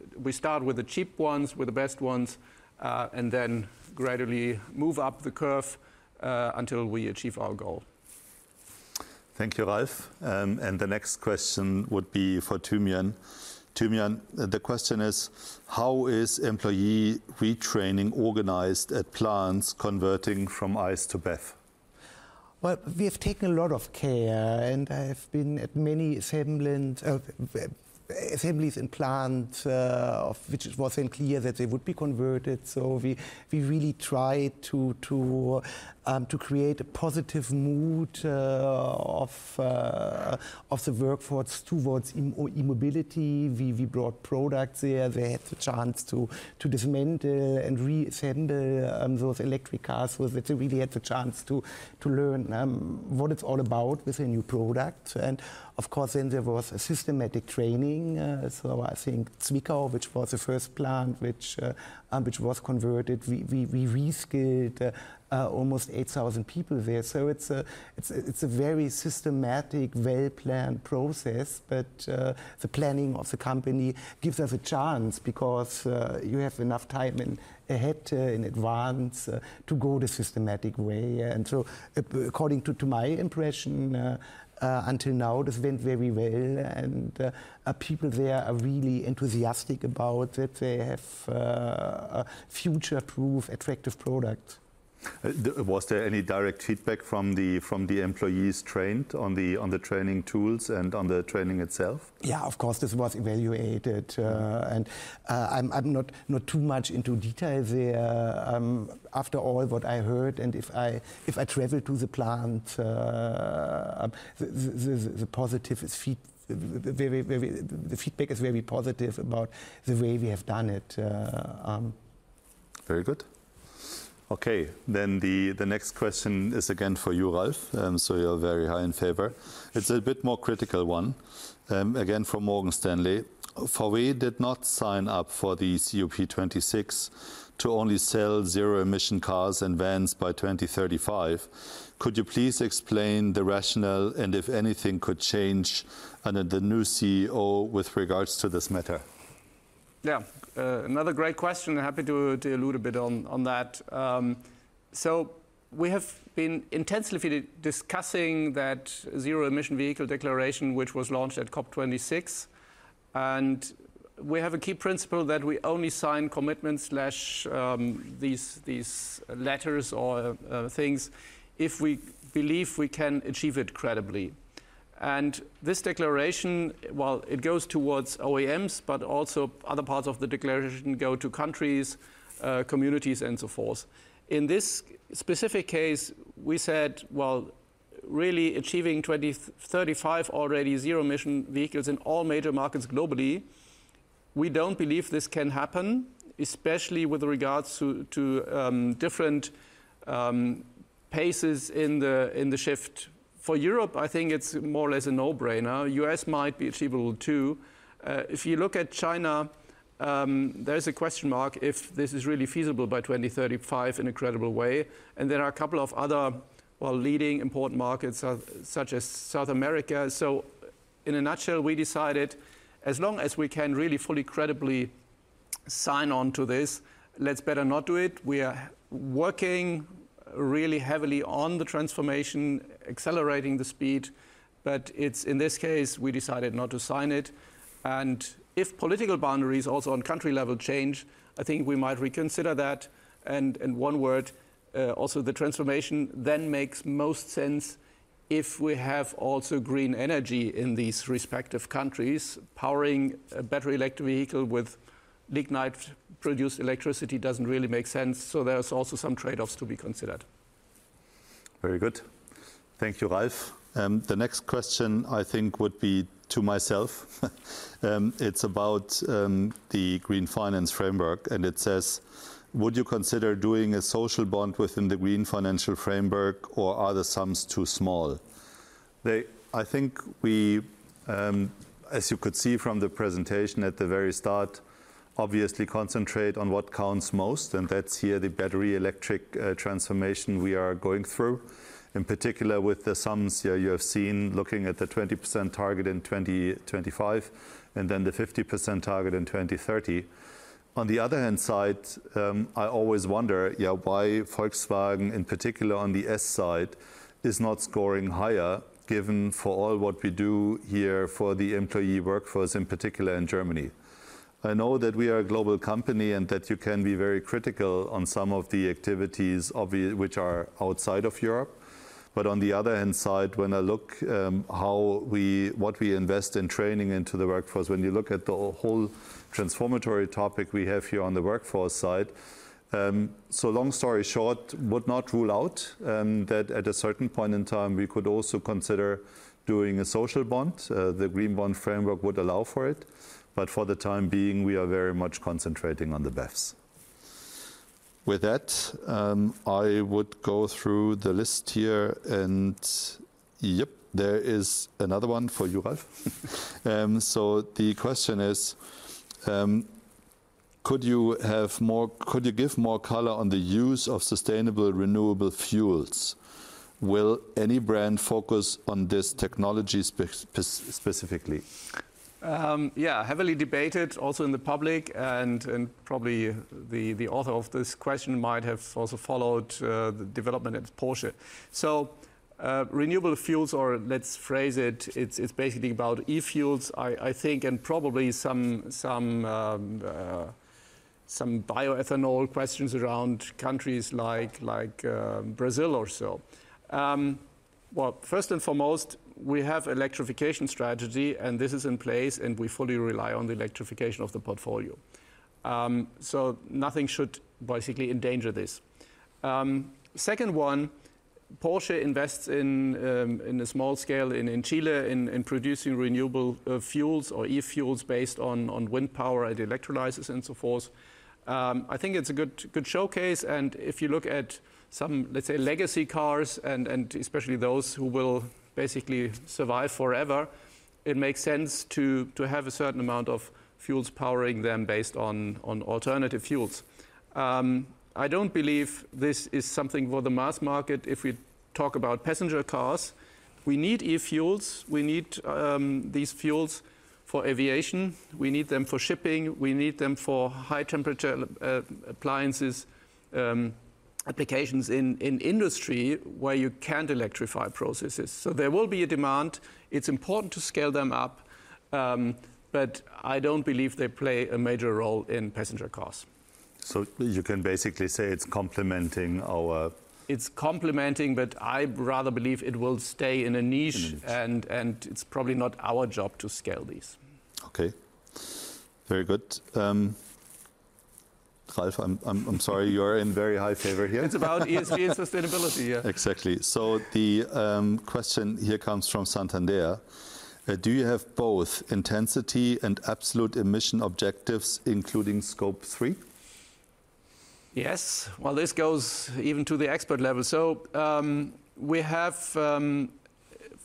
the cheap ones, with the best ones, and then gradually move up the curve, until we achieve our goal. Thank you, Ralf. The next question would be for Thymian. Thymian, the question is: How is employee retraining organized at plants converting from ICE to BEV? Well, we have taken a lot of care, and I have been at many assembly assemblies and plants, of which it was unclear that they would be converted. We really try to create a positive mood of the workforce towards e-mobility. We brought products there. They had the chance to dismantle and reassemble those electric cars so that they really had the chance to learn what it's all about with a new product. Of course then there was a systematic training, so I think Zwickau, which was the first plant which was converted, we reskilled almost 8,000 people there. It's a very systematic, well-planned process. The planning of the company gives us a chance because you have enough time ahead in advance to go the systematic way. According to my impression, until now this went very well and people there are really enthusiastic about it. They have a future-proof attractive product. Was there any direct feedback from the employees trained on the training tools and on the training itself? Yeah, of course this was evaluated. I'm not too much into detail there. After all what I heard, and if I travel to the plant, the feedback is very positive about the way we have done it. Very good. Okay. The next question is again for you, Ralf, so you're very highly in favor. It's a bit more critical one, again, from Morgan Stanley. VW did not sign up for the COP26 to only sell zero emission cars and vans by 2035. Could you please explain the rationale and if anything could change under the new CEO with regards to this matter? Yeah. Another great question. Happy to allude a bit on that. We have been intensively discussing that zero emission vehicle declaration, which was launched at COP26. We have a key principle that we only sign commitments, these letters or things if we believe we can achieve it credibly. This declaration, while it goes towards OEMs, but also other parts of the declaration go to countries, communities, and so forth. In this specific case, we said, well, really achieving 2035 already zero emission vehicles in all major markets globally, we don't believe this can happen, especially with regards to different paces in the shift. For Europe, I think it's more or less a no-brainer. U.S. might be achievable too. If you look at China, there is a question mark if this is really feasible by 2035 in a credible way. There are a couple of other, well, leading important markets, such as South America. In a nutshell, we decided as long as we can really fully credibly sign on to this, let's better not do it. We are working really heavily on the transformation, accelerating the speed. It's, in this case, we decided not to sign it. If political boundaries also on country level change, I think we might reconsider that. In one word, also the transformation then makes most sense if we have also green energy in these respective countries. Powering a battery electric vehicle with lignite-produced electricity doesn't really make sense. There's also some trade-offs to be considered. Very good. Thank you, Ralf. The next question I think would be to myself. It's about the green finance framework, and it says: Would you consider doing a social bond within the green finance framework, or are the sums too small? I think we, as you could see from the presentation at the very start, obviously concentrate on what counts most, and that's here the battery electric transformation we are going through. In particular with the sums here you have seen looking at the 20% target in 2025 and then the 50% target in 2030. On the other hand side, I always wonder why Volkswagen in particular on the S side is not scoring higher given for all what we do here for the employee workforce, in particular in Germany. I know that we are a global company and that you can be very critical on some of the activities obviously which are outside of Europe. On the other hand side, when I look how we invest in training into the workforce, when you look at the whole transformational topic we have here on the workforce side. Long story short, would not rule out that at a certain point in time, we could also consider doing a social bond. The green bond framework would allow for it. For the time being, we are very much concentrating on the BEVs. With that, I would go through the list here and, yep, there is another one for you, Ralf. The question is: Could you give more color on the use of sustainable renewable fuels? Will any brand focus on this technology specifically? Yeah, heavily debated also in the public and probably the author of this question might have also followed the development at Porsche. Renewable fuels, or let's phrase it's basically about e-fuels, I think, and probably some bioethanol questions around countries like Brazil or so. Well, first and foremost, we have electrification strategy, and this is in place, and we fully rely on the electrification of the portfolio. Nothing should basically endanger this. Second one, Porsche invests in a small scale in Chile in producing renewable fuels or e-fuels based on wind power and electrolyzers and so forth. I think it's a good showcase, and if you look at some, let's say, legacy cars and especially those who will basically survive forever, it makes sense to have a certain amount of fuels powering them based on alternative fuels. I don't believe this is something for the mass market if we talk about passenger cars. We need e-fuels. We need these fuels for aviation. We need them for shipping. We need them for high temperature appliances, applications in industry where you can't electrify processes. There will be a demand. It's important to scale them up, but I don't believe they play a major role in passenger cars. You can basically say it's complementing our. It's complementing, but I rather believe it will stay in a niche. In a niche. It's probably not our job to scale these. Okay. Very good. Ralf, I'm sorry, you are in very high favor here. It's about ESG and sustainability, yeah. Exactly. The question here comes from Santander. Do you have both intensity and absolute emission objectives, including Scope 3? Yes. Well, this goes even to the expert level. We have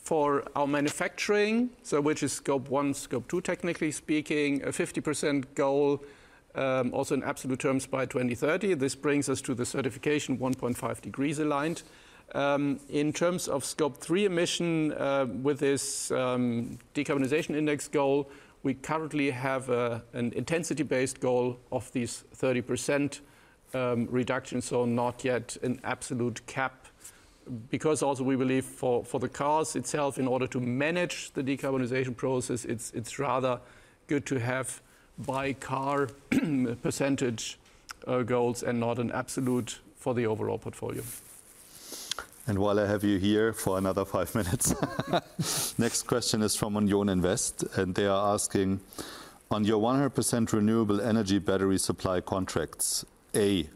for our manufacturing, so which is Scope 1, Scope 2, technically speaking, a 50% goal, also in absolute terms by 2030. This brings us to the certification 1.5 degrees aligned. In terms of Scope 3 emission, with this decarbonization index goal, we currently have an intensity-based goal of these 30% reduction, so not yet an absolute cap. Because also we believe for the cars itself, in order to manage the decarbonization process, it's rather good to have by car percentage goals and not an absolute for the overall portfolio. While I have you here for another 5 minutes. Next question is from Union Investment, and they are asking: On your 100% renewable energy battery supply contracts, A,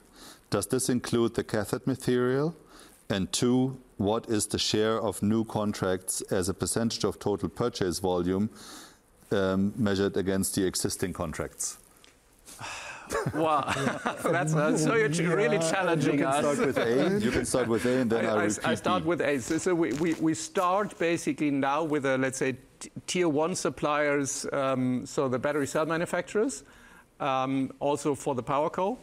does this include the cathode material? And two, what is the share of new contracts as a percentage of total purchase volume, measured against the existing contracts? Wow. That's so you're really challenging us. You can start with A, and then I'll repeat. I start with A. We start basically now with a, let's say, tier one suppliers, so the battery cell manufacturers, also for the PowerCo.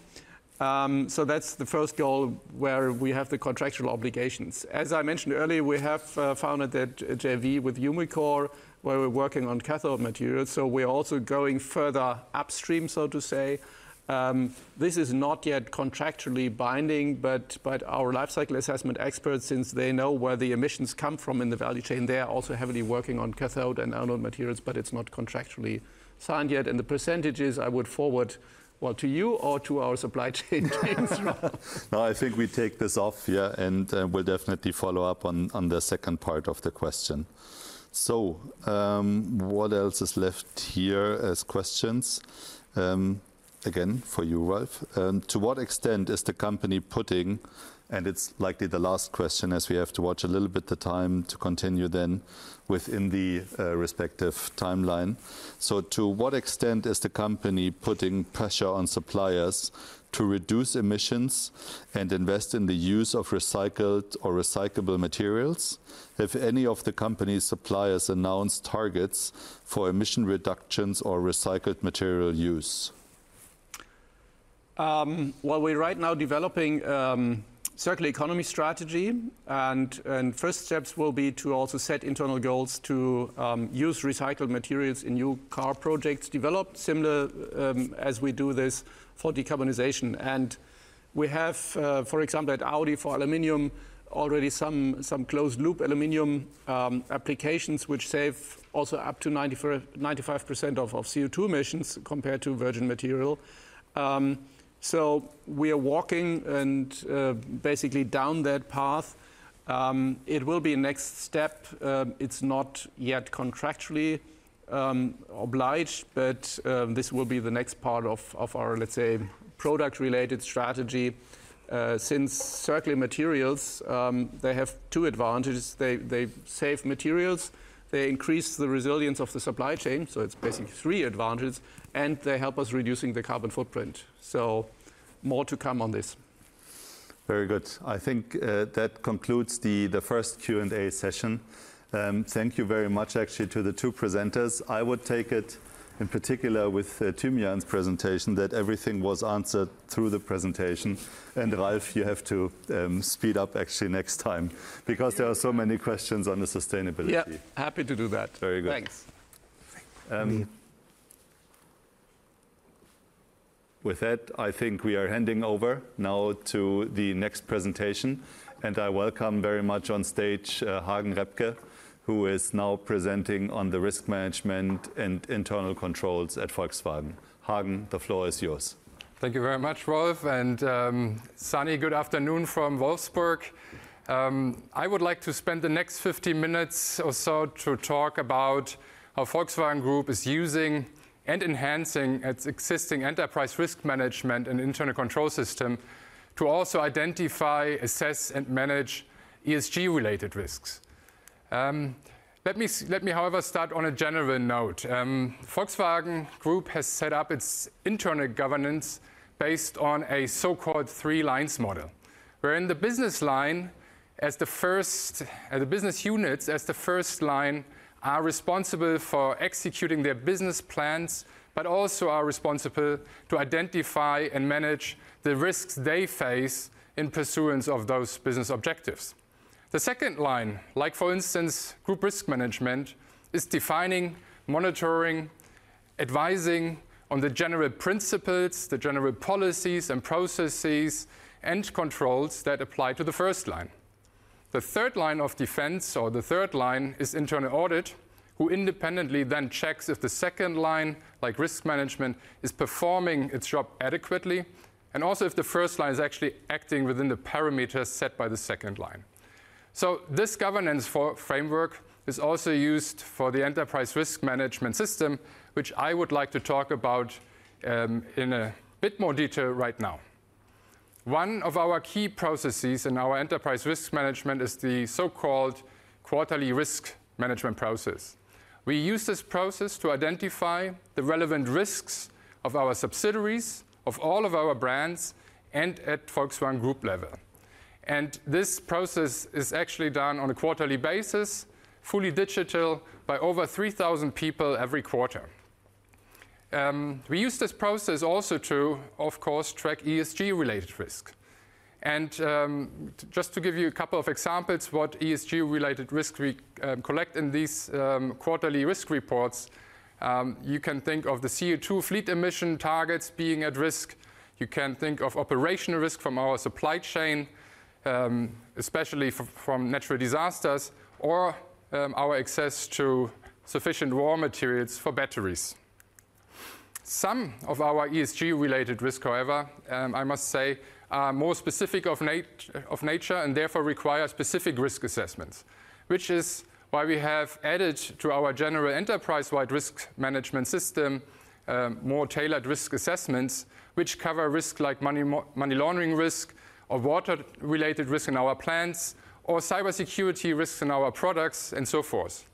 That's the first goal where we have the contractual obligations. As I mentioned earlier, we have founded a JV with Umicore, where we're working on cathode materials, so we're also going further upstream, so to say. This is not yet contractually binding, but our life cycle assessment experts, since they know where the emissions come from in the value chain, they are also heavily working on cathode and anode materials, but it's not contractually signed yet. The percentages I would forward, well, to you or to our supply chain team. No, I think we take this off, yeah, and we'll definitely follow up on the second part of the question. What else is left here as questions, again, for you, Ralf. It's likely the last question as we have to watch a little bit the time to continue then within the respective timeline. To what extent is the company putting pressure on suppliers to reduce emissions and invest in the use of recycled or recyclable materials? Have any of the company's suppliers announced targets for emission reductions or recycled material use? Well, we're right now developing circular economy strategy and first steps will be to also set internal goals to use recycled materials in new car projects, develop similar as we do this for decarbonization. We have for example at Audi for aluminum already some closed-loop aluminum applications which save also up to 95% of CO2 emissions compared to virgin material. We are walking and basically down that path, it will be next step, it's not yet contractually obliged, but this will be the next part of our, let's say, product-related strategy. Since circular materials they have two advantages. They save materials, they increase the resilience of the supply chain, so it's basically three advantages, and they help us reducing the carbon footprint. More to come on this. Very good. I think that concludes the first Q&A session. Thank you very much actually to the two presenters. I would take it in particular with Thymian Bussemer's presentation that everything was answered through the presentation. Ralf, you have to speed up actually next time because there are so many questions on the sustainability. Yeah, happy to do that. Very good. Thanks. With that, I think we are handing over now to the next presentation, and I welcome very much on stage, Hagen Reppke, who is now presenting on the risk management and internal controls at Volkswagen. Hagen, the floor is yours. Thank you very much, Ralf. A sunny good afternoon from Wolfsburg. I would like to spend the next 50 minutes or so to talk about how Volkswagen Group is using and enhancing its existing enterprise risk management and internal control system to also identify, assess, and manage ESG-related risks. Let me however, start on a general note. Volkswagen Group has set up its internal governance based on a so-called Three Lines Model. Where in the business units, as the first line, are responsible for executing their business plans, but also are responsible to identify and manage the risks they face in pursuance of those business objectives. The second line, like for instance, group risk management, is defining, monitoring, advising on the general principles, the general policies and processes and controls that apply to the first line. The third line of defense, or the third line, is internal audit, who independently then checks if the second line, like risk management, is performing its job adequately, and also if the first line is actually acting within the parameters set by the second line. This governance framework is also used for the enterprise risk management system, which I would like to talk about in a bit more detail right now. One of our key processes in our enterprise risk management is the so-called quarterly risk management process. We use this process to identify the relevant risks of our subsidiaries, of all of our brands, and at Volkswagen Group level. This process is actually done on a quarterly basis, fully digital, by over 3,000 people every quarter. We use this process also to, of course, track ESG-related risk. Just to give you a couple of examples what ESG-related risk we collect in these quarterly risk reports, you can think of the CO2 fleet emission targets being at risk. You can think of operational risk from our supply chain, especially from natural disasters or our access to sufficient raw materials for batteries. Some of our ESG-related risk, however, I must say, are more specific of nature and therefore require specific risk assessments, which is why we have added to our general enterprise-wide risk management system more tailored risk assessments, which cover risks like money laundering risk or water-related risk in our plants or cybersecurity risks in our products and so forth.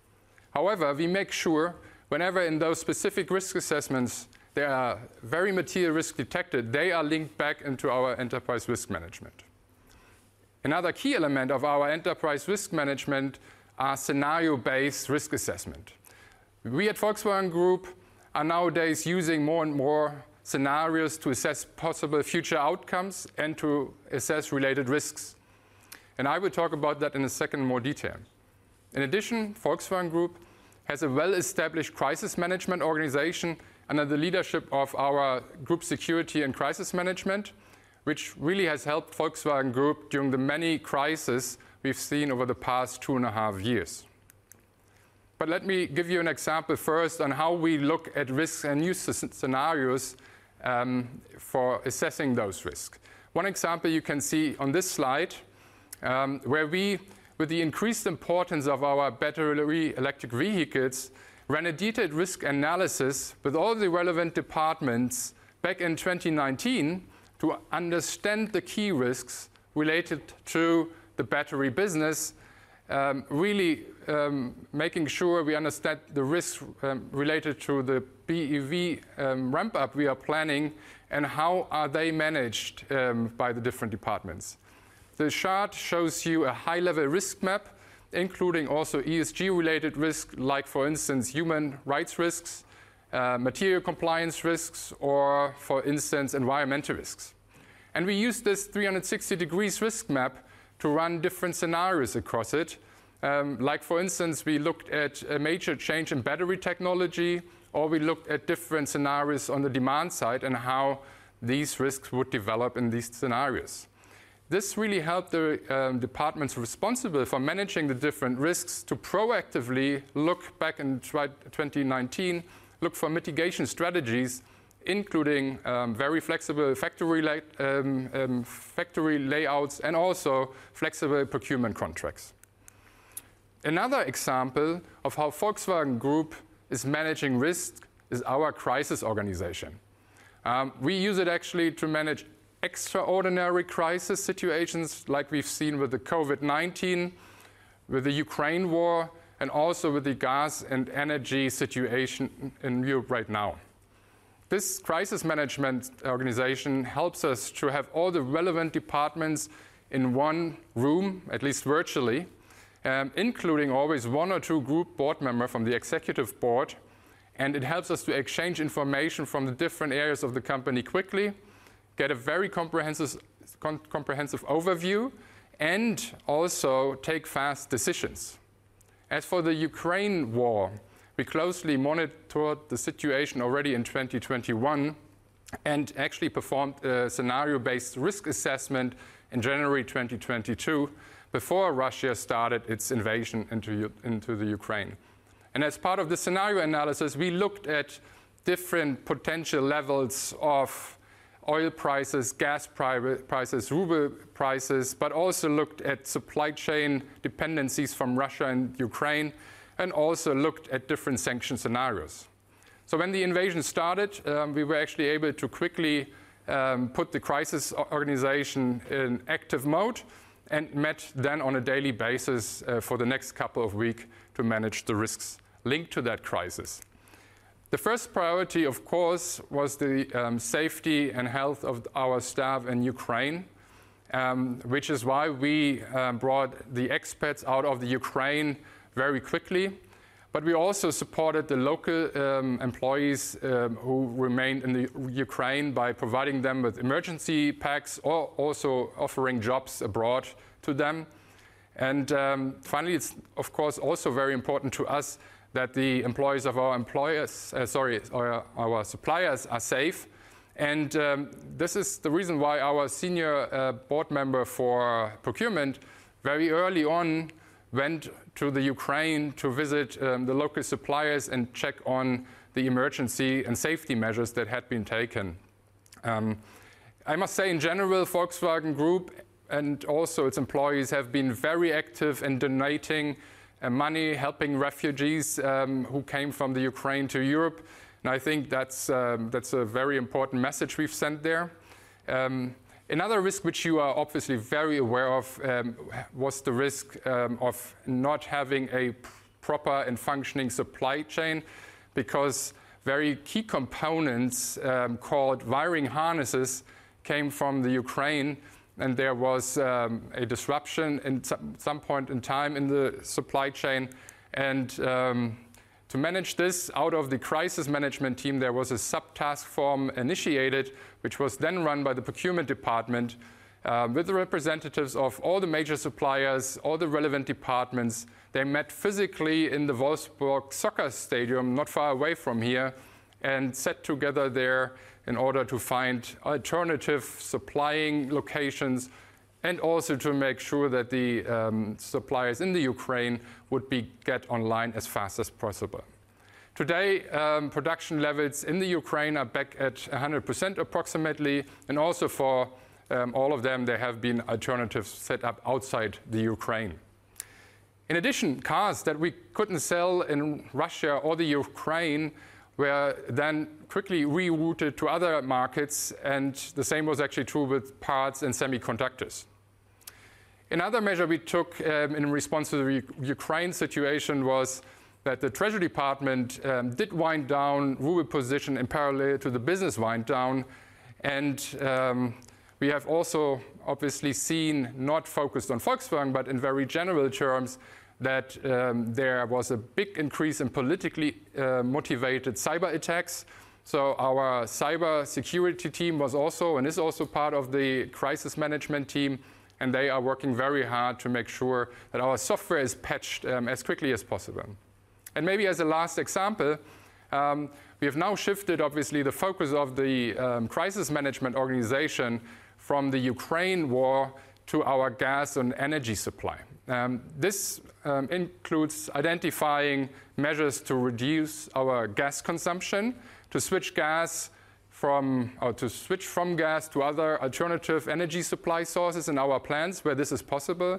However, we make sure whenever in those specific risk assessments there are very material risk detected, they are linked back into our enterprise risk management. Another key element of our enterprise risk management are scenario-based risk assessment. We at Volkswagen Group are nowadays using more and more scenarios to assess possible future outcomes and to assess related risks, and I will talk about that in a second more detail. In addition, Volkswagen Group has a well-established crisis management organization under the leadership of our group security and crisis management, which really has helped Volkswagen Group during the many crisis we've seen over the past two and a half years. Let me give you an example first on how we look at risks and new scenarios for assessing those risks. One example you can see on this slide, where we, with the increased importance of our battery electric vehicles, ran a detailed risk analysis with all the relevant departments back in 2019 to understand the key risks related to the battery business, really, making sure we understand the risks, related to the BEV, ramp-up we are planning and how are they managed, by the different departments. The chart shows you a high-level risk map, including also ESG-related risk, like for instance, human rights risks, material compliance risks or, for instance, environmental risks. We use this 360-degree risk map to run different scenarios across it. Like for instance, we looked at a major change in battery technology, or we looked at different scenarios on the demand side and how these risks would develop in these scenarios. This really helped the departments responsible for managing the different risks to proactively look back to 2019, look for mitigation strategies, including very flexible factory layouts and also flexible procurement contracts. Another example of how Volkswagen Group is managing risk is our crisis organization. We use it actually to manage extraordinary crisis situations like we've seen with the COVID-19, with the Ukraine war, and also with the gas and energy situation in Europe right now. This crisis management organization helps us to have all the relevant departments in one room, at least virtually, including always one or two Group Board members from the Executive Board, and it helps us to exchange information from the different areas of the company quickly, get a very comprehensive overview, and also take fast decisions. As for the Ukraine war, we closely monitored the situation already in 2021 and actually performed a scenario-based risk assessment in January 2022 before Russia started its invasion into the Ukraine. As part of the scenario analysis, we looked at different potential levels of oil prices, gas prices, ruble prices, but also looked at supply chain dependencies from Russia and Ukraine, and also looked at different sanction scenarios. When the invasion started, we were actually able to quickly put the crisis organization in active mode and met then on a daily basis for the next couple of week to manage the risks linked to that crisis. The first priority, of course, was the safety and health of our staff in Ukraine, which is why we brought the expats out of the Ukraine very quickly. We also supported the local employees who remained in the Ukraine by providing them with emergency packs, also offering jobs abroad to them. Finally, it's of course also very important to us that the employees of our suppliers are safe. This is the reason why our senior board member for procurement very early on went to the Ukraine to visit the local suppliers and check on the emergency and safety measures that had been taken. I must say in general, Volkswagen Group and also its employees have been very active in donating money, helping refugees who came from the Ukraine to Europe. I think that's a very important message we've sent there. Another risk which you are obviously very aware of was the risk of not having a proper and functioning supply chain because very key components called wiring harnesses came from Ukraine, and there was a disruption at some point in time in the supply chain. To manage this out of the crisis management team, there was a sub-task force initiated, which was then run by the procurement department with the representatives of all the major suppliers, all the relevant departments. They met physically in the Wolfsburg soccer stadium, not far away from here, and sat together there in order to find alternative supplying locations and also to make sure that the suppliers in Ukraine would get online as fast as possible. Today, production levels in Ukraine are back at 100% approximately, and also for all of them, there have been alternatives set up outside Ukraine. In addition, cars that we couldn't sell in Russia or Ukraine were then quickly rerouted to other markets, and the same was actually true with parts and semiconductors. Another measure we took in response to the Ukraine situation was that the Treasury Department did wind down ruble position in parallel to the business wind down. We have also obviously seen, not focused on Volkswagen, but in very general terms, that there was a big increase in politically motivated cyberattacks. Our cyber security team was also, and is also part of the crisis management team, and they are working very hard to make sure that our software is patched as quickly as possible. Maybe as a last example, we have now shifted obviously the focus of the crisis management organization from the Ukraine war to our gas and energy supply. This includes identifying measures to reduce our gas consumption, to switch from gas to other alternative energy supply sources in our plants where this is possible,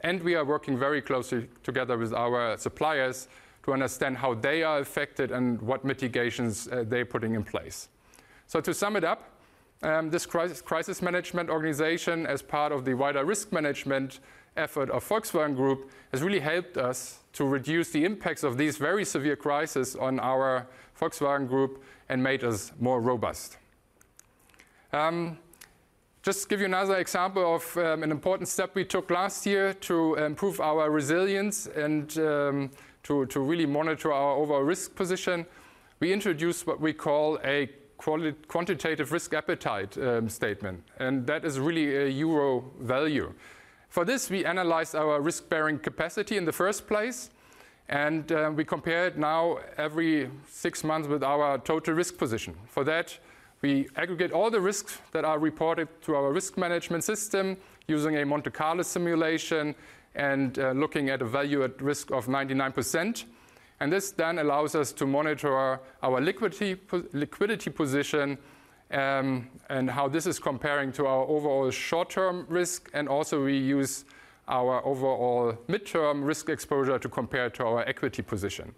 and we are working very closely together with our suppliers to understand how they are affected and what mitigations they're putting in place. To sum it up, this crisis management organization as part of the wider risk management effort of Volkswagen Group has really helped us to reduce the impacts of these very severe crisis on our Volkswagen Group and made us more robust. Just give you another example of an important step we took last year to improve our resilience and to really monitor our overall risk position. We introduced what we call a quantitative risk appetite statement, and that is really a euro value. For this, we analyze our risk-bearing capacity in the first place, and we compare it now every six months with our total risk position. For that, we aggregate all the risks that are reported to our risk management system using a Monte Carlo simulation and looking at a value at risk of 99%. This then allows us to monitor our liquidity position, and how this is comparing to our overall short-term risk. We use our overall midterm risk exposure to compare to our equity position.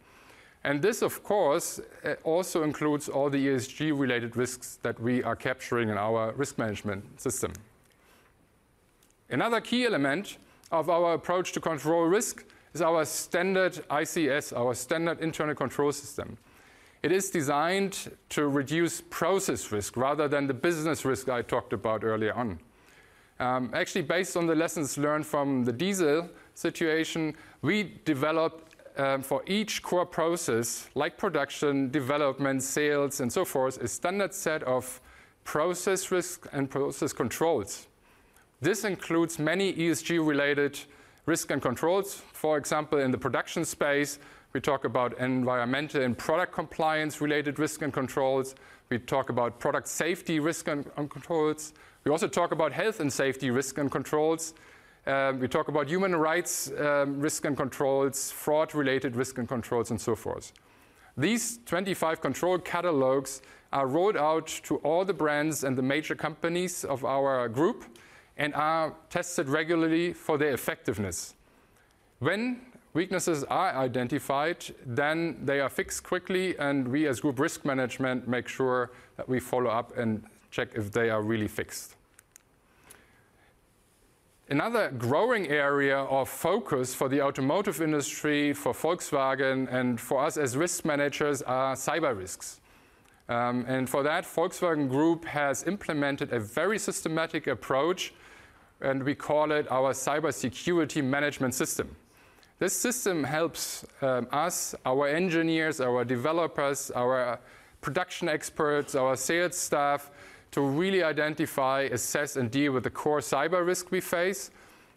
This, of course, also includes all the ESG-related risks that we are capturing in our risk management system. Another key element of our approach to control risk is our standard ICS, our standard internal control system. It is designed to reduce process risk rather than the business risk I talked about earlier on. Actually, based on the lessons learned from the diesel situation, we developed for each core process, like production, development, sales, and so forth, a standard set of process risk and process controls. This includes many ESG-related risk and controls. For example, in the production space, we talk about environmental and product compliance-related risk and controls. We talk about product safety risk and controls. We also talk about health and safety risk and controls. We talk about human rights, risk and controls, fraud-related risk and controls, and so forth. These 25 control catalogs are rolled out to all the brands and the major companies of our group and are tested regularly for their effectiveness. When weaknesses are identified, then they are fixed quickly and we, as group risk management, make sure that we follow up and check if they are really fixed. Another growing area of focus for the automotive industry, for Volkswagen, and for us as risk managers are cyber risks. For that, Volkswagen Group has implemented a very systematic approach, and we call it our cybersecurity management system. This system helps us, our engineers, our developers, our production experts, our sales staff to really identify, assess, and deal with the core cyber risk we face.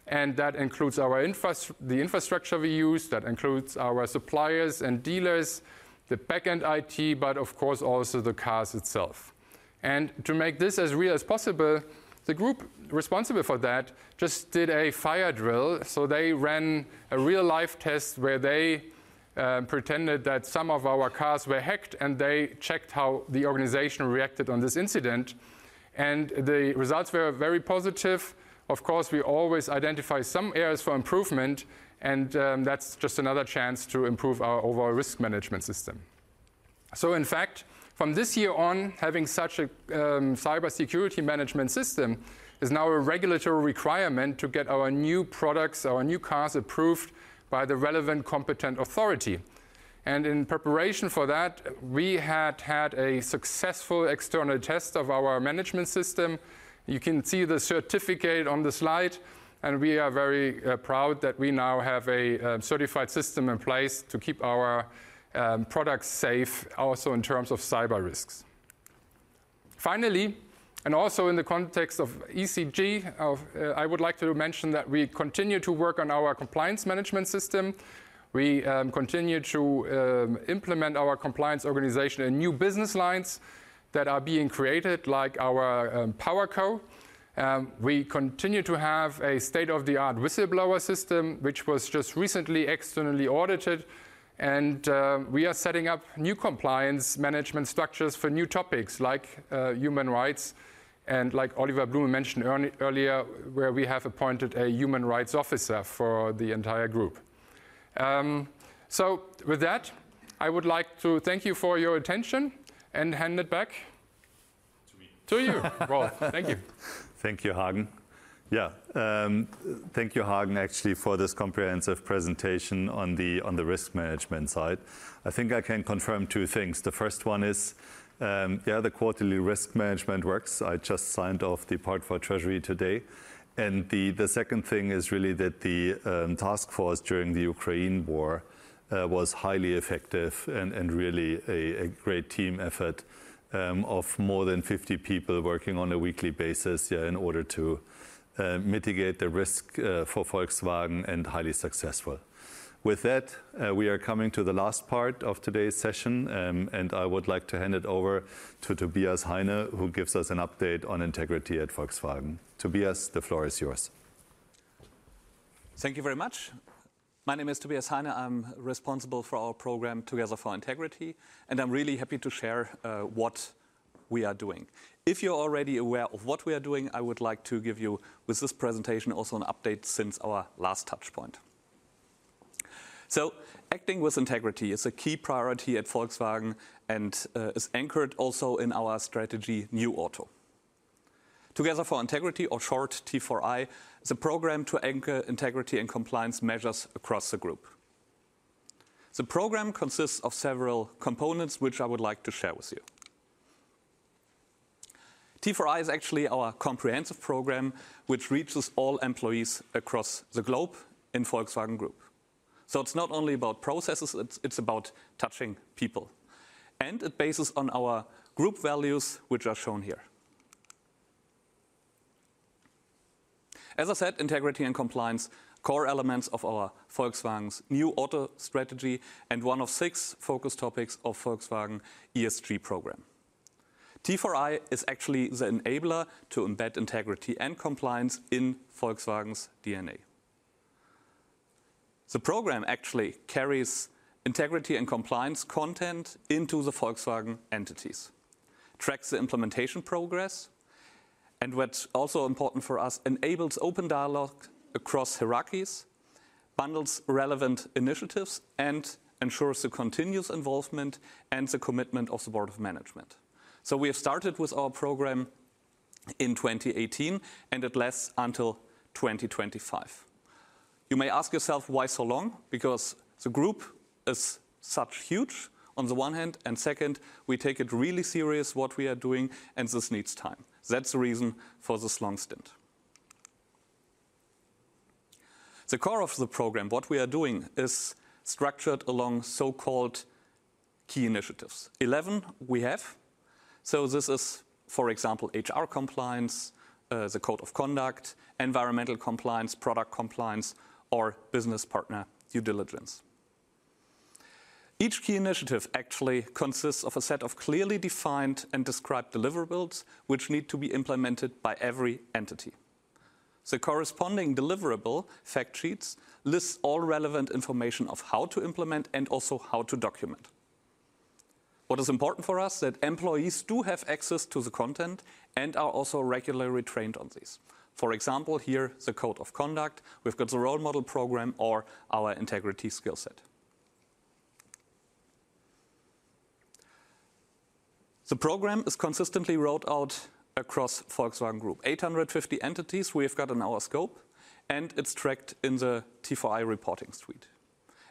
That includes the infrastructure we use, that includes our suppliers and dealers, the backend IT, but of course also the cars itself. To make this as real as possible, the group responsible for that just did a fire drill. They ran a real-life test where they pretended that some of our cars were hacked, and they checked how the organization reacted on this incident. The results were very positive. Of course, we always identify some areas for improvement, and that's just another chance to improve our overall risk management system. In fact, from this year on, having such a cybersecurity management system is now a regulatory requirement to get our new products, our new cars approved by the relevant competent authority. In preparation for that, we had had a successful external test of our management system. You can see the certificate on the slide, and we are very proud that we now have a certified system in place to keep our products safe also in terms of cyber risks. Finally, also in the context of ESG, I would like to mention that we continue to work on our compliance management system. We continue to implement our compliance organization in new business lines that are being created, like our PowerCo. We continue to have a state-of-the-art whistleblower system, which was just recently externally audited. We are setting up new compliance management structures for new topics like human rights, and like Oliver Blume mentioned earlier, where we have appointed a human rights officer for the entire group. With that, I would like to thank you for your attention and hand it back. To me. To you, Rolf. Thank you. Thank you, Hagen. Yeah, thank you, Hagen, actually, for this comprehensive presentation on the risk management side. I think I can confirm two things. The first one is, yeah, the quarterly risk management works. I just signed off the part for treasury today. The second thing is really that the task force during the Ukraine war was highly effective and really a great team effort of more than 50 people working on a weekly basis, yeah, in order to mitigate the risk for Volkswagen, and highly successful. With that, we are coming to the last part of today's session, and I would like to hand it over to Tobias Heine, who gives us an update on integrity at Volkswagen. Tobias, the floor is yours. Thank you very much. My name is Tobias Heine. I'm responsible for our program Together for Integrity, and I'm really happy to share what we are doing. If you're already aware of what we are doing, I would like to give you, with this presentation, also an update since our last touch point. Acting with integrity is a key priority at Volkswagen and is anchored also in our strategy, NEW AUTO. Together for Integrity, or short T4I, is a program to anchor integrity and compliance measures across the group. The program consists of several components which I would like to share with you. T4I is actually our comprehensive program, which reaches all employees across the globe in Volkswagen Group. It's not only about processes, it's about touching people. It bases on our group values, which are shown here. As I said, integrity and compliance are core elements of our Volkswagen's NEW AUTO strategy and one of six focus topics of Volkswagen ESG program. T4I is actually the enabler to embed integrity and compliance in Volkswagen's DNA. The program actually carries integrity and compliance content into the Volkswagen entities, tracks the implementation progress, and what's also important for us, enables open dialogue across hierarchies, bundles relevant initiatives, and ensures the continuous involvement and the commitment of the board of management. We have started with our program in 2018, and it lasts until 2025. You may ask yourself, why so long? Because the group is so huge on the one hand, and second, we take it really serious what we are doing, and this needs time. That's the reason for this long stint. The core of the program, what we are doing, is structured along so-called key initiatives. 11 we have. This is, for example, HR compliance, the code of conduct, environmental compliance, product compliance, or business partner due diligence. Each key initiative actually consists of a set of clearly defined and described deliverables which need to be implemented by every entity. The corresponding deliverable fact sheets lists all relevant information of how to implement and also how to document. What is important for us that employees do have access to the content and are also regularly trained on this. For example, here, the code of conduct. We've got the role model program or our Integrity Skillset. The program is consistently rolled out across Volkswagen Group. 850 entities we have got in our scope, and it's tracked in the T4I reporting suite.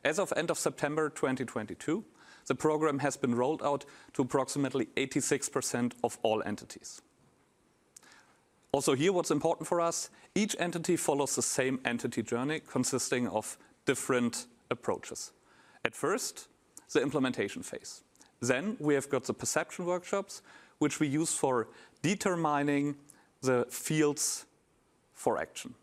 As of end of September 2022, the program has been rolled out to approximately 86% of all entities. Here, what's important for us, each entity follows the same entity journey consisting of different approaches. At first, the implementation phase. We have got the perception workshops, which we use for determining the fields for action.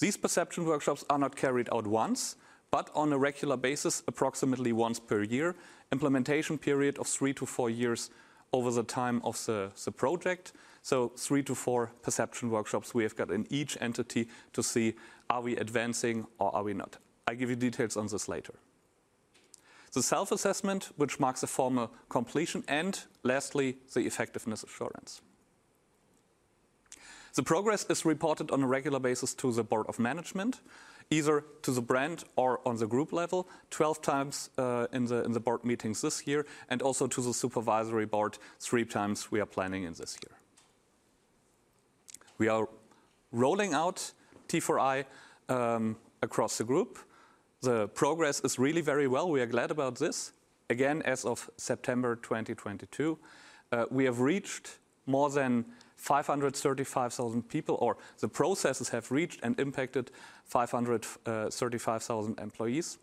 These perception workshops are not carried out once, but on a regular basis, approximately once per year, implementation period of three-four years over the time of the project. Three-four perception workshops we have got in each entity to see are we advancing or are we not. I give you details on this later. The self-assessment, which marks the formal completion, and lastly, the effectiveness assurance. The progress is reported on a regular basis to the Board of Management, either to the brand or on the Group level, 12 times in the board meetings this year, and also to the Supervisory Board 3 times we are planning in this year. We are rolling out T4I across the group. The progress is really very well. We are glad about this. Again, as of September 2022, we have reached more than 535,000 people, or the processes have reached and impacted 535,000 employees.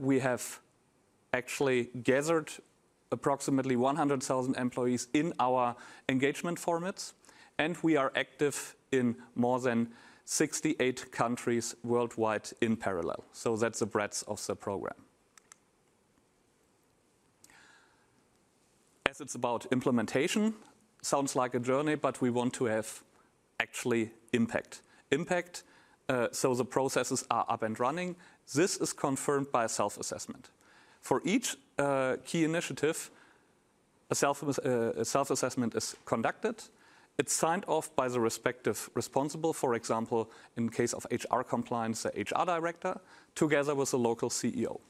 We have actually gathered approximately 100,000 employees in our engagement formats, and we are active in more than 68 countries worldwide in parallel. That's the breadth of the program. As it's about implementation, it sounds like a journey, but we want to actually have impact. Impact, the processes are up and running. This is confirmed by a self-assessment. For each key initiative, a self-assessment is conducted. It's signed off by the respective responsible, for example, in case of HR compliance, the HR director, together with the local CEO.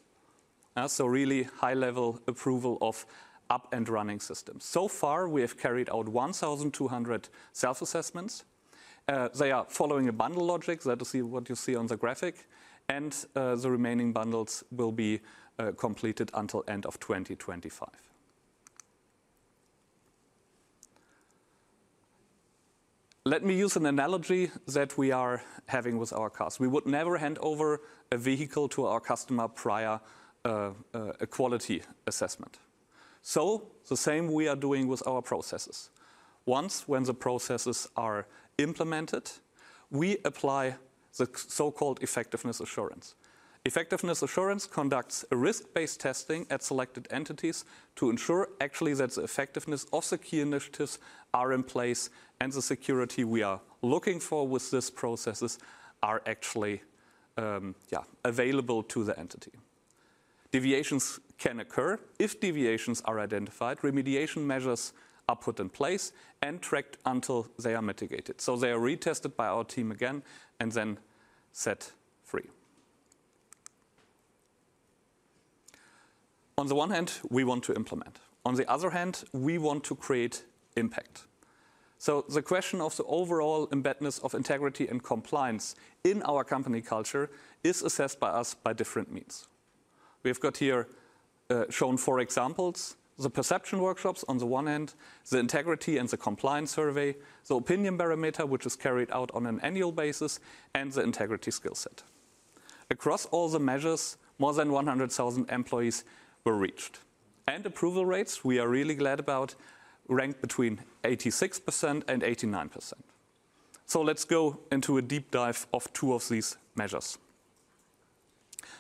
Really high-level approval of up-and-running systems. So far, we have carried out 1,200 self-assessments. They are following a bundle logic. That is what you see on the graphic. The remaining bundles will be completed until end of 2025. Let me use an analogy that we are having with our cars. We would never hand over a vehicle to our customer prior to a quality assessment. The same we are doing with our processes. Once when the processes are implemented, we apply the so-called effectiveness assurance. Effectiveness assurance conducts a risk-based testing at selected entities to ensure actually that the effectiveness of the key initiatives are in place and the security we are looking for with these processes are actually available to the entity. Deviations can occur. If deviations are identified, remediation measures are put in place and tracked until they are mitigated. They are retested by our team again and then set free. On the one hand, we want to implement. On the other hand, we want to create impact. The question of the overall embeddedness of integrity and compliance in our company culture is assessed by us by different means. We have got here shown four examples. The perception workshops on the one end, the integrity and the compliance survey, the opinion barometer, which is carried out on an annual basis, and the Integrity Skillset. Across all the measures, more than 100,000 employees were reached. Approval rates, we are really glad about, ranked between 86% and 89%. Let's go into a deep dive of two of these measures.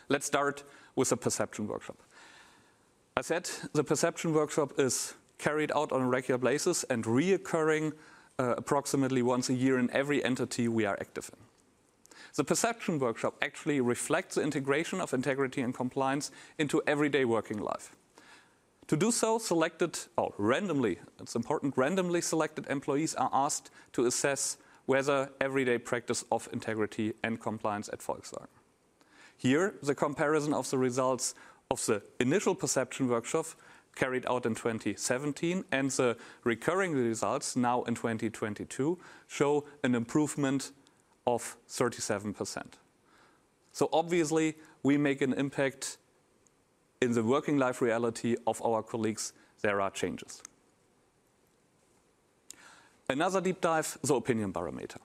Let's start with the perception workshop. I said the perception workshop is carried out on a regular basis and recurring, approximately once a year in every entity we are active in. The perception workshop actually reflects the integration of integrity and compliance into everyday working life. To do so, selected or randomly, that's important, randomly selected employees are asked to assess whether everyday practice of integrity and compliance at Volkswagen. Here, the comparison of the results of the initial perception workshop carried out in 2017 and the recurring results now in 2022 show an improvement of 37%. Obviously we make an impact in the working life reality of our colleagues, there are changes. Another deep dive, the opinion barometer.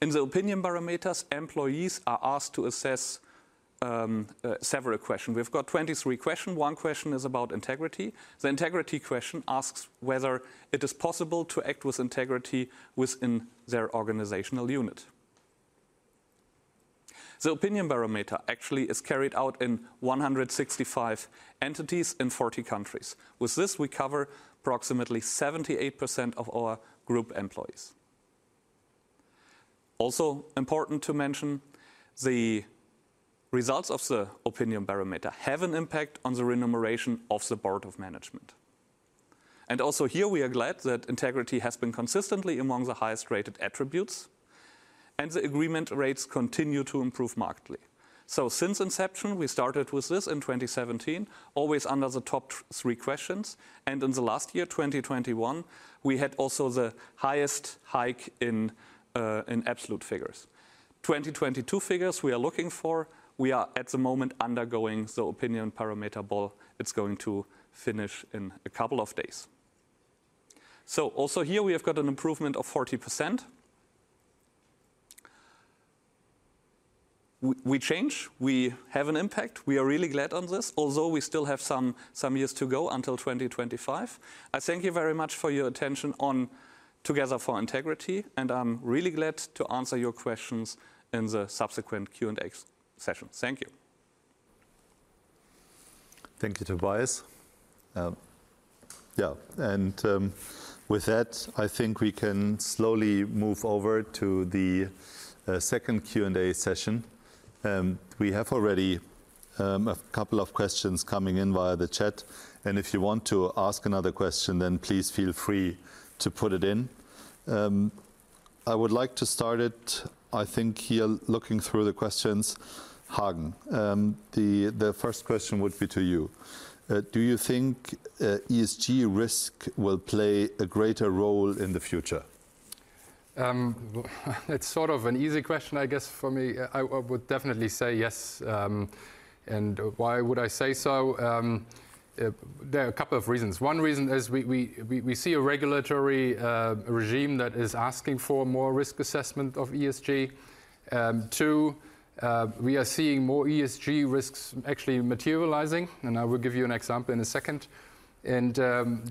In the opinion barometers, employees are asked to assess several questions. We've got 23 questions. One question is about integrity. The integrity question asks whether it is possible to act with integrity within their organizational unit. The opinion barometer actually is carried out in 165 entities in 40 countries. With this, we cover approximately 78% of our Group employees. Also important to mention, the results of the opinion barometer have an impact on the remuneration of the board of management. Also here we are glad that integrity has been consistently among the highest rated attributes, and the agreement rates continue to improve markedly. Since inception, we started with this in 2017, always under the top three questions. In the last year, 2021, we had also the highest hike in absolute figures. 2022 figures we are looking for. We are at the moment undergoing the opinion barometer poll. It's going to finish in a couple of days. Also here we have got an improvement of 40%. We change, we have an impact. We are really glad on this, although we still have some years to go until 2025. I thank you very much for your attention on Together for Integrity, and I'm really glad to answer your questions in the subsequent Q&A session. Thank you. Thank you, Tobias. With that, I think we can slowly move over to the second Q&A session. We have already a couple of questions coming in via the chat, and if you want to ask another question, then please feel free to put it in. I would like to start it, I think, here looking through the questions, Hagen. The first question would be to you. Do you think ESG risk will play a greater role in the future? It's sort of an easy question, I guess, for me. I would definitely say yes. Why would I say so? There are a couple of reasons. One reason is we see a regulatory regime that is asking for more risk assessment of ESG. Two, we are seeing more ESG risks actually materializing, and I will give you an example in a second.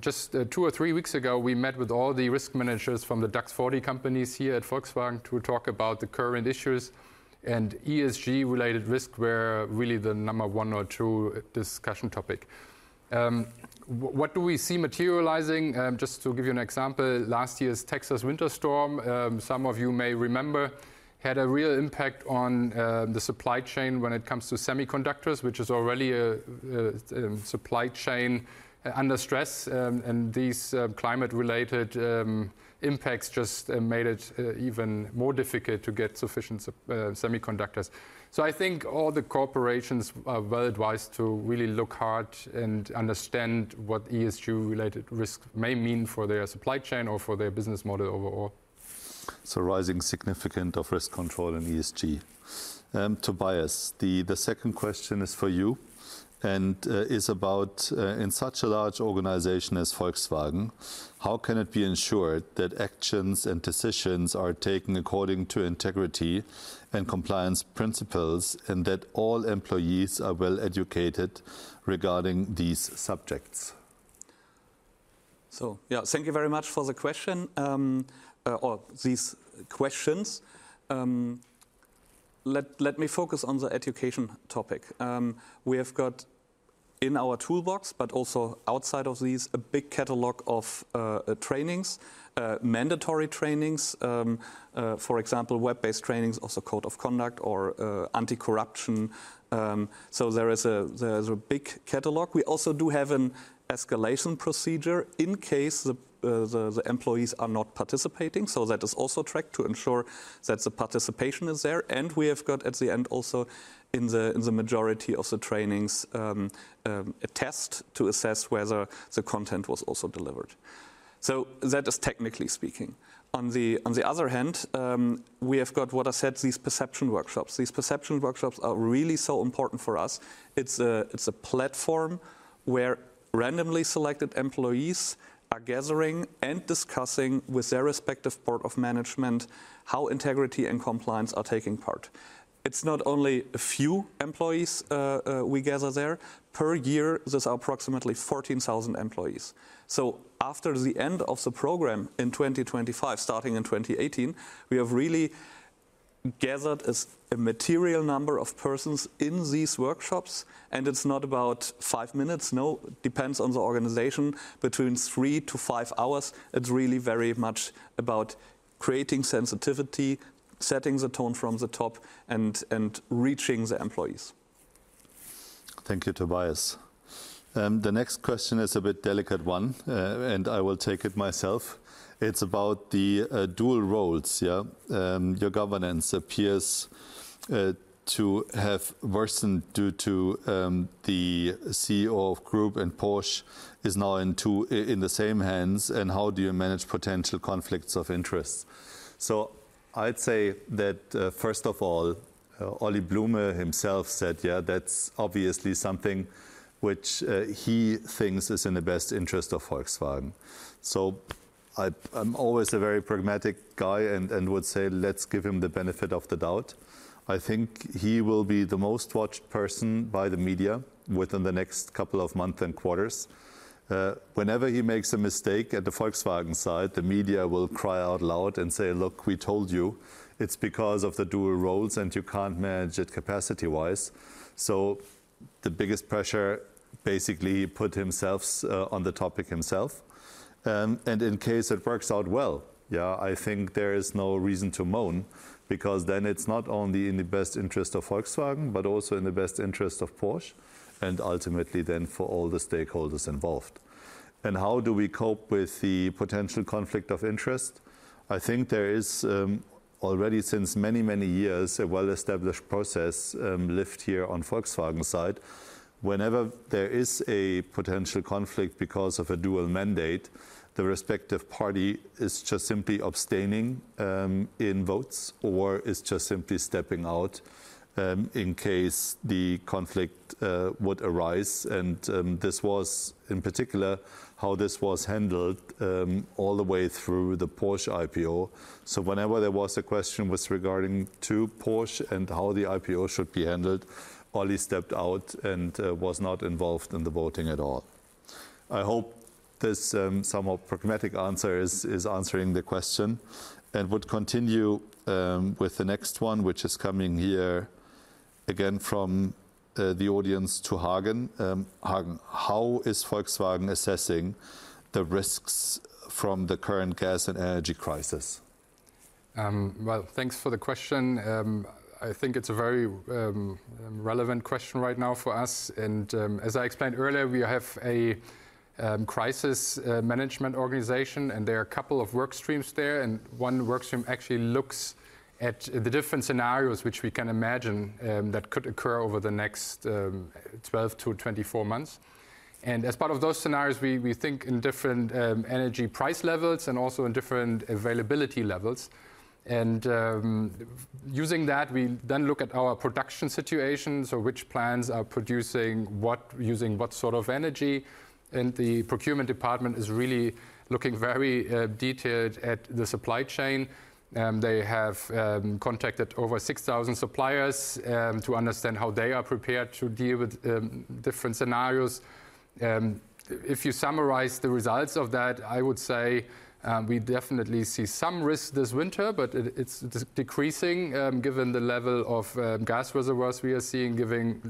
Just two or three weeks ago, we met with all the risk managers from the DAX 40 companies here at Volkswagen to talk about the current issues and ESG-related risk were really the number one or two discussion topic. What do we see materializing? Just to give you an example, last year's Texas winter storm, some of you may remember, had a real impact on the supply chain when it comes to semiconductors, which is already a supply chain under stress. These climate-related impacts just made it even more difficult to get sufficient semiconductors. I think all the corporations are well advised to really look hard and understand what ESG-related risk may mean for their supply chain or for their business model overall. Rising significance of risk control in ESG. Tobias, the second question is for you and is about, in such a large organization as Volkswagen, how can it be ensured that actions and decisions are taken according to integrity and compliance principles, and that all employees are well educated regarding these subjects? Yeah. Thank you very much for the question, or these questions. Let me focus on the education topic. We have got in our toolbox, but also outside of these, a big catalog of trainings, mandatory trainings, for example, web-based trainings, also code of conduct or anti-corruption. There is a big catalog. We also do have an escalation procedure in case the employees are not participating, so that is also tracked to ensure that the participation is there. We have got at the end also in the majority of the trainings, a test to assess whether the content was also delivered. That is technically speaking. On the other hand, we have got what I said, these perception workshops. These perception workshops are really so important for us. It's a platform where randomly selected employees are gathering and discussing with their respective board of management how integrity and compliance are taking part. It's not only a few employees, we gather there. Per year, this approximately 14,000 employees. After the end of the program in 2025, starting in 2018, we have really gathered a material number of persons in these workshops, and it's not about 5 minutes, no. Depends on the organization, between 3-5 hours. It's really very much about creating sensitivity, setting the tone from the top, and reaching the employees. Thank you, Tobias. The next question is a bit delicate one, and I will take it myself. It's about the dual roles. Your governance appears to have worsened due to the CEO of Volkswagen Group and Porsche is now in the same hands, and how do you manage potential conflicts of interest? I'd say that first of all, Oliver Blume himself said, yeah, that's obviously something which he thinks is in the best interest of Volkswagen. I'm always a very pragmatic guy and would say, let's give him the benefit of the doubt. I think he will be the most watched person by the media within the next couple of months and quarters. Whenever he makes a mistake at the Volkswagen side, the media will cry out loud and say, "Look, we told you. It's because of the dual roles, and you can't manage it capacity-wise." The biggest pressure basically put himself on the topic himself. In case it works out well, yeah, I think there is no reason to moan because then it's not only in the best interest of Volkswagen but also in the best interest of Porsche and ultimately then for all the stakeholders involved. How do we cope with the potential conflict of interest? I think there is already since many, many years, a well-established process lived here on Volkswagen side. Whenever there is a potential conflict because of a dual mandate, the respective party is just simply abstaining in votes or is just simply stepping out in case the conflict would arise. This was in particular how this was handled, all the way through the Porsche IPO. Whenever there was a question with regard to Porsche and how the IPO should be handled, Oli stepped out and was not involved in the voting at all. I hope this somewhat pragmatic answer is answering the question and would continue with the next one, which is coming here again from the audience to Hagen. Hagen, how is Volkswagen assessing the risks from the current gas and energy crisis? Well, thanks for the question. I think it's a very relevant question right now for us. As I explained earlier, we have a crisis management organization, and there are a couple of work streams there. One work stream actually looks at the different scenarios which we can imagine that could occur over the next 12-24 months. As part of those scenarios, we think in different energy price levels and also in different availability levels. Using that, we then look at our production situations or which plants are producing what, using what sort of energy. The procurement department is really looking very detailed at the supply chain. They have contacted over 6,000 suppliers to understand how they are prepared to deal with different scenarios. If you summarize the results of that, I would say, we definitely see some risk this winter, but it's decreasing, given the level of gas reservoirs we are seeing, given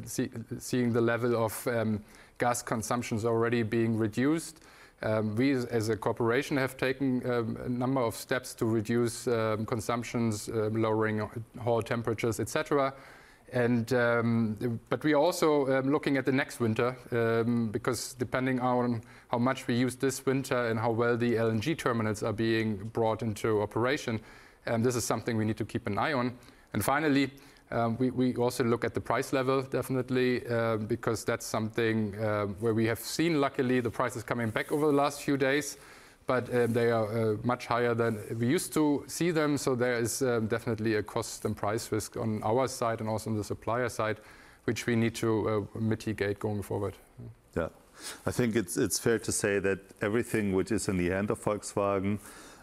the level of gas consumptions already being reduced. We as a corporation have taken a number of steps to reduce consumptions, lowering hall temperatures, et cetera. We also looking at the next winter, because depending on how much we use this winter and how well the LNG terminals are being brought into operation, and this is something we need to keep an eye on. Finally, we also look at the price level definitely, because that's something where we have seen luckily the prices coming back over the last few days, but they are much higher than we used to see them. There is definitely a cost and price risk on our side and also on the supplier side, which we need to mitigate going forward. Yeah, I think it's fair to say that everything which is in the hand of Volkswagen,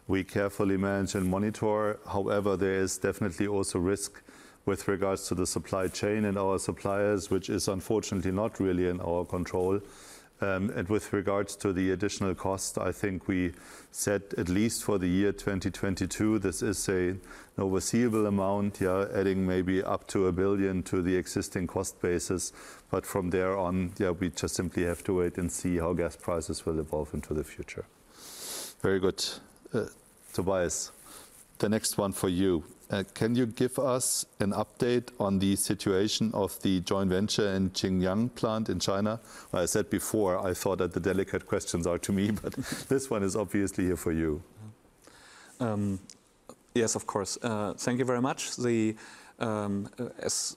we carefully manage and monitor. However, there is definitely also risk with regards to the supply chain and our suppliers, which is unfortunately not really in our control. With regards to the additional cost, I think we said at least for the year 2022, this is a foreseeable amount, yeah, adding maybe up to 1 billion to the existing cost basis. From there on, yeah, we just simply have to wait and see how gas prices will evolve into the future. Very good. Tobias, the next one for you. Can you give us an update on the situation of the joint venture in Xinjiang plant in China? Well, I said before, I thought that the delicate questions are to me, but this one is obviously here for you. Yes, of course. Thank you very much. As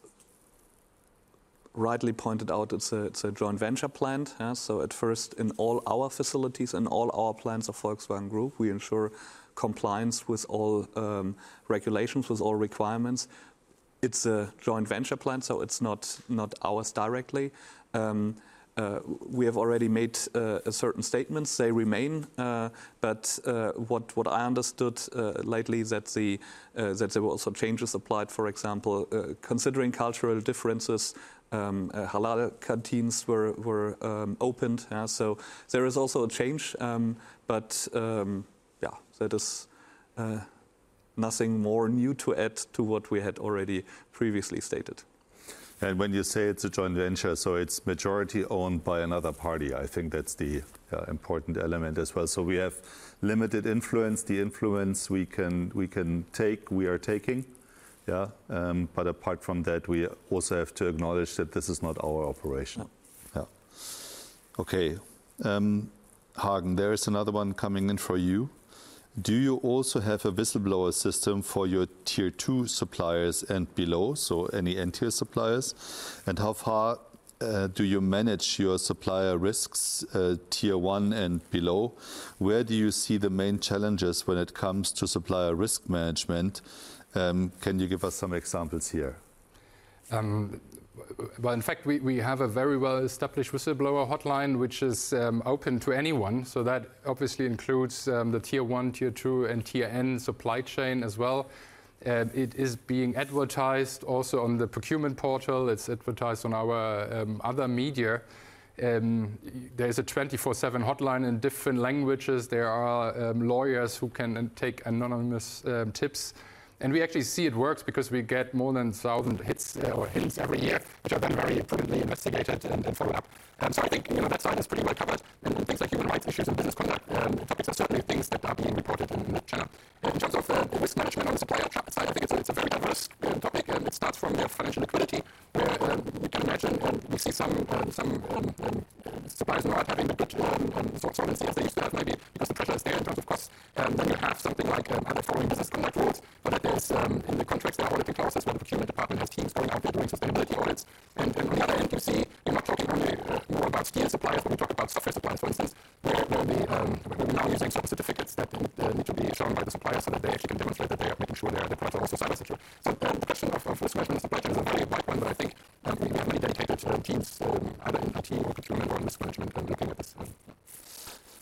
rightly pointed out it's a joint venture plant yeah. At first, in all our facilities and all our plants of Volkswagen Group we ensure compliance with all regulations, with all requirements. It's a joint venture plant so it's not ours directly. We have already made certain statements, they remain. What I understood lately is that there were also changes applied for example considering cultural differences, halal canteens were opened so there is also a change. Yeah there is nothing more new to add to what we had already previously stated. When you say it's a joint venture so it's majority owned by another party. I think that's the important element as well. We have limited influence. The influence we can take we are taking. Yeah. Apart from that, we also have to acknowledge that this is not our operation. No. Yeah. Okay. Hagen there is another one coming in for you. Do you also have a whistleblower system for your tier two suppliers and below so any N-tier suppliers? How far do you manage your supplier risks, tier one and below? Where do you see the main challenges when it comes to supplier risk management? Can you give us some examples here? Well, in fact, we have a very well-established whistleblower hotline which is open to anyone, so that obviously includes the tier one, tier two and tier N supply chain as well. It is being advertised also on the procurement portal. It's advertised on our other media. There is a 24/7 hotline in different languages. There are lawyers who can then take anonymous tips. We actually see it works because we get more than 1,000 hits or hints every year, which are then very prudently investigated and followed up. I think, you know, that side is pretty well covered. Things like human rights issues and business conduct topics are certainly things that are being reported in that channel. In terms of risk management on the supply chain side I think it's a very diverse topic. It starts from their financial liquidity where we can imagine or we see some suppliers now are having a bit solvency as they used to have maybe because the pressure is there in terms of costs. You have something like, are they following business conduct rules? That is in the contracts there are auditing clauses where the procurement department has teams going out there doing sustainability audits. On the other end, you see we're not talking only more about tier suppliers, but we talk about software suppliers, for instance where we're now using software certificates that need to be shown by the suppliers so that they actually can demonstrate that they are making sure their products are also cyber secure. The question of risk management of the supply chain is a very wide one, but I think we have many dedicated teams so either in IT or procurement or in risk management looking at this.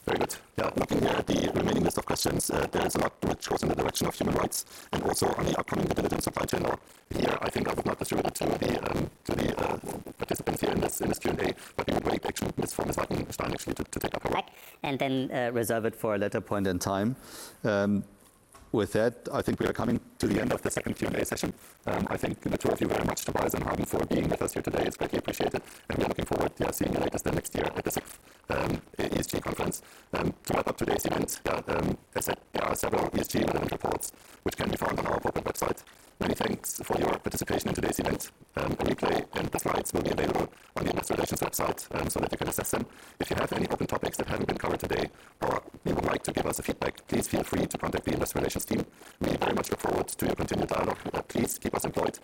Very good. Yeah looking here at the remaining list of questions there is a lot which goes in the direction of human rights and also on the upcoming German supply chain law. Here I think I would not distribute it to the participants here in this Q&A. We will brief actually Ms. Reserve it for a later point in time. With that I think we are coming to the end of the second Q&A session. I thank the two of you very much Tobias and Hagen for being with us here today. It's greatly appreciated, and we are looking forward to seeing you at the latest then next year at the sixth ESG conference. To wrap up today's event, as said, there are several ESG-relevant reports which can be found on our corporate website. Many thanks for your participation in today's event. A replay and the slides will be available on the investor relations website so that you can assess them. If you have any open topics that haven't been covered today or you would like to give us feedback please feel free to contact the investor relations team. We very much look forward to your continued dialogue. Please keep us employed.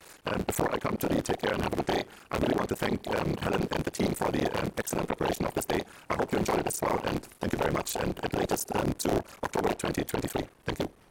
Before I come to the take care and have a good day I really want to thank Helen and the team for the excellent preparation of this day. I hope you enjoy it as well and thank you very much and at latest to October 2023. Thank you.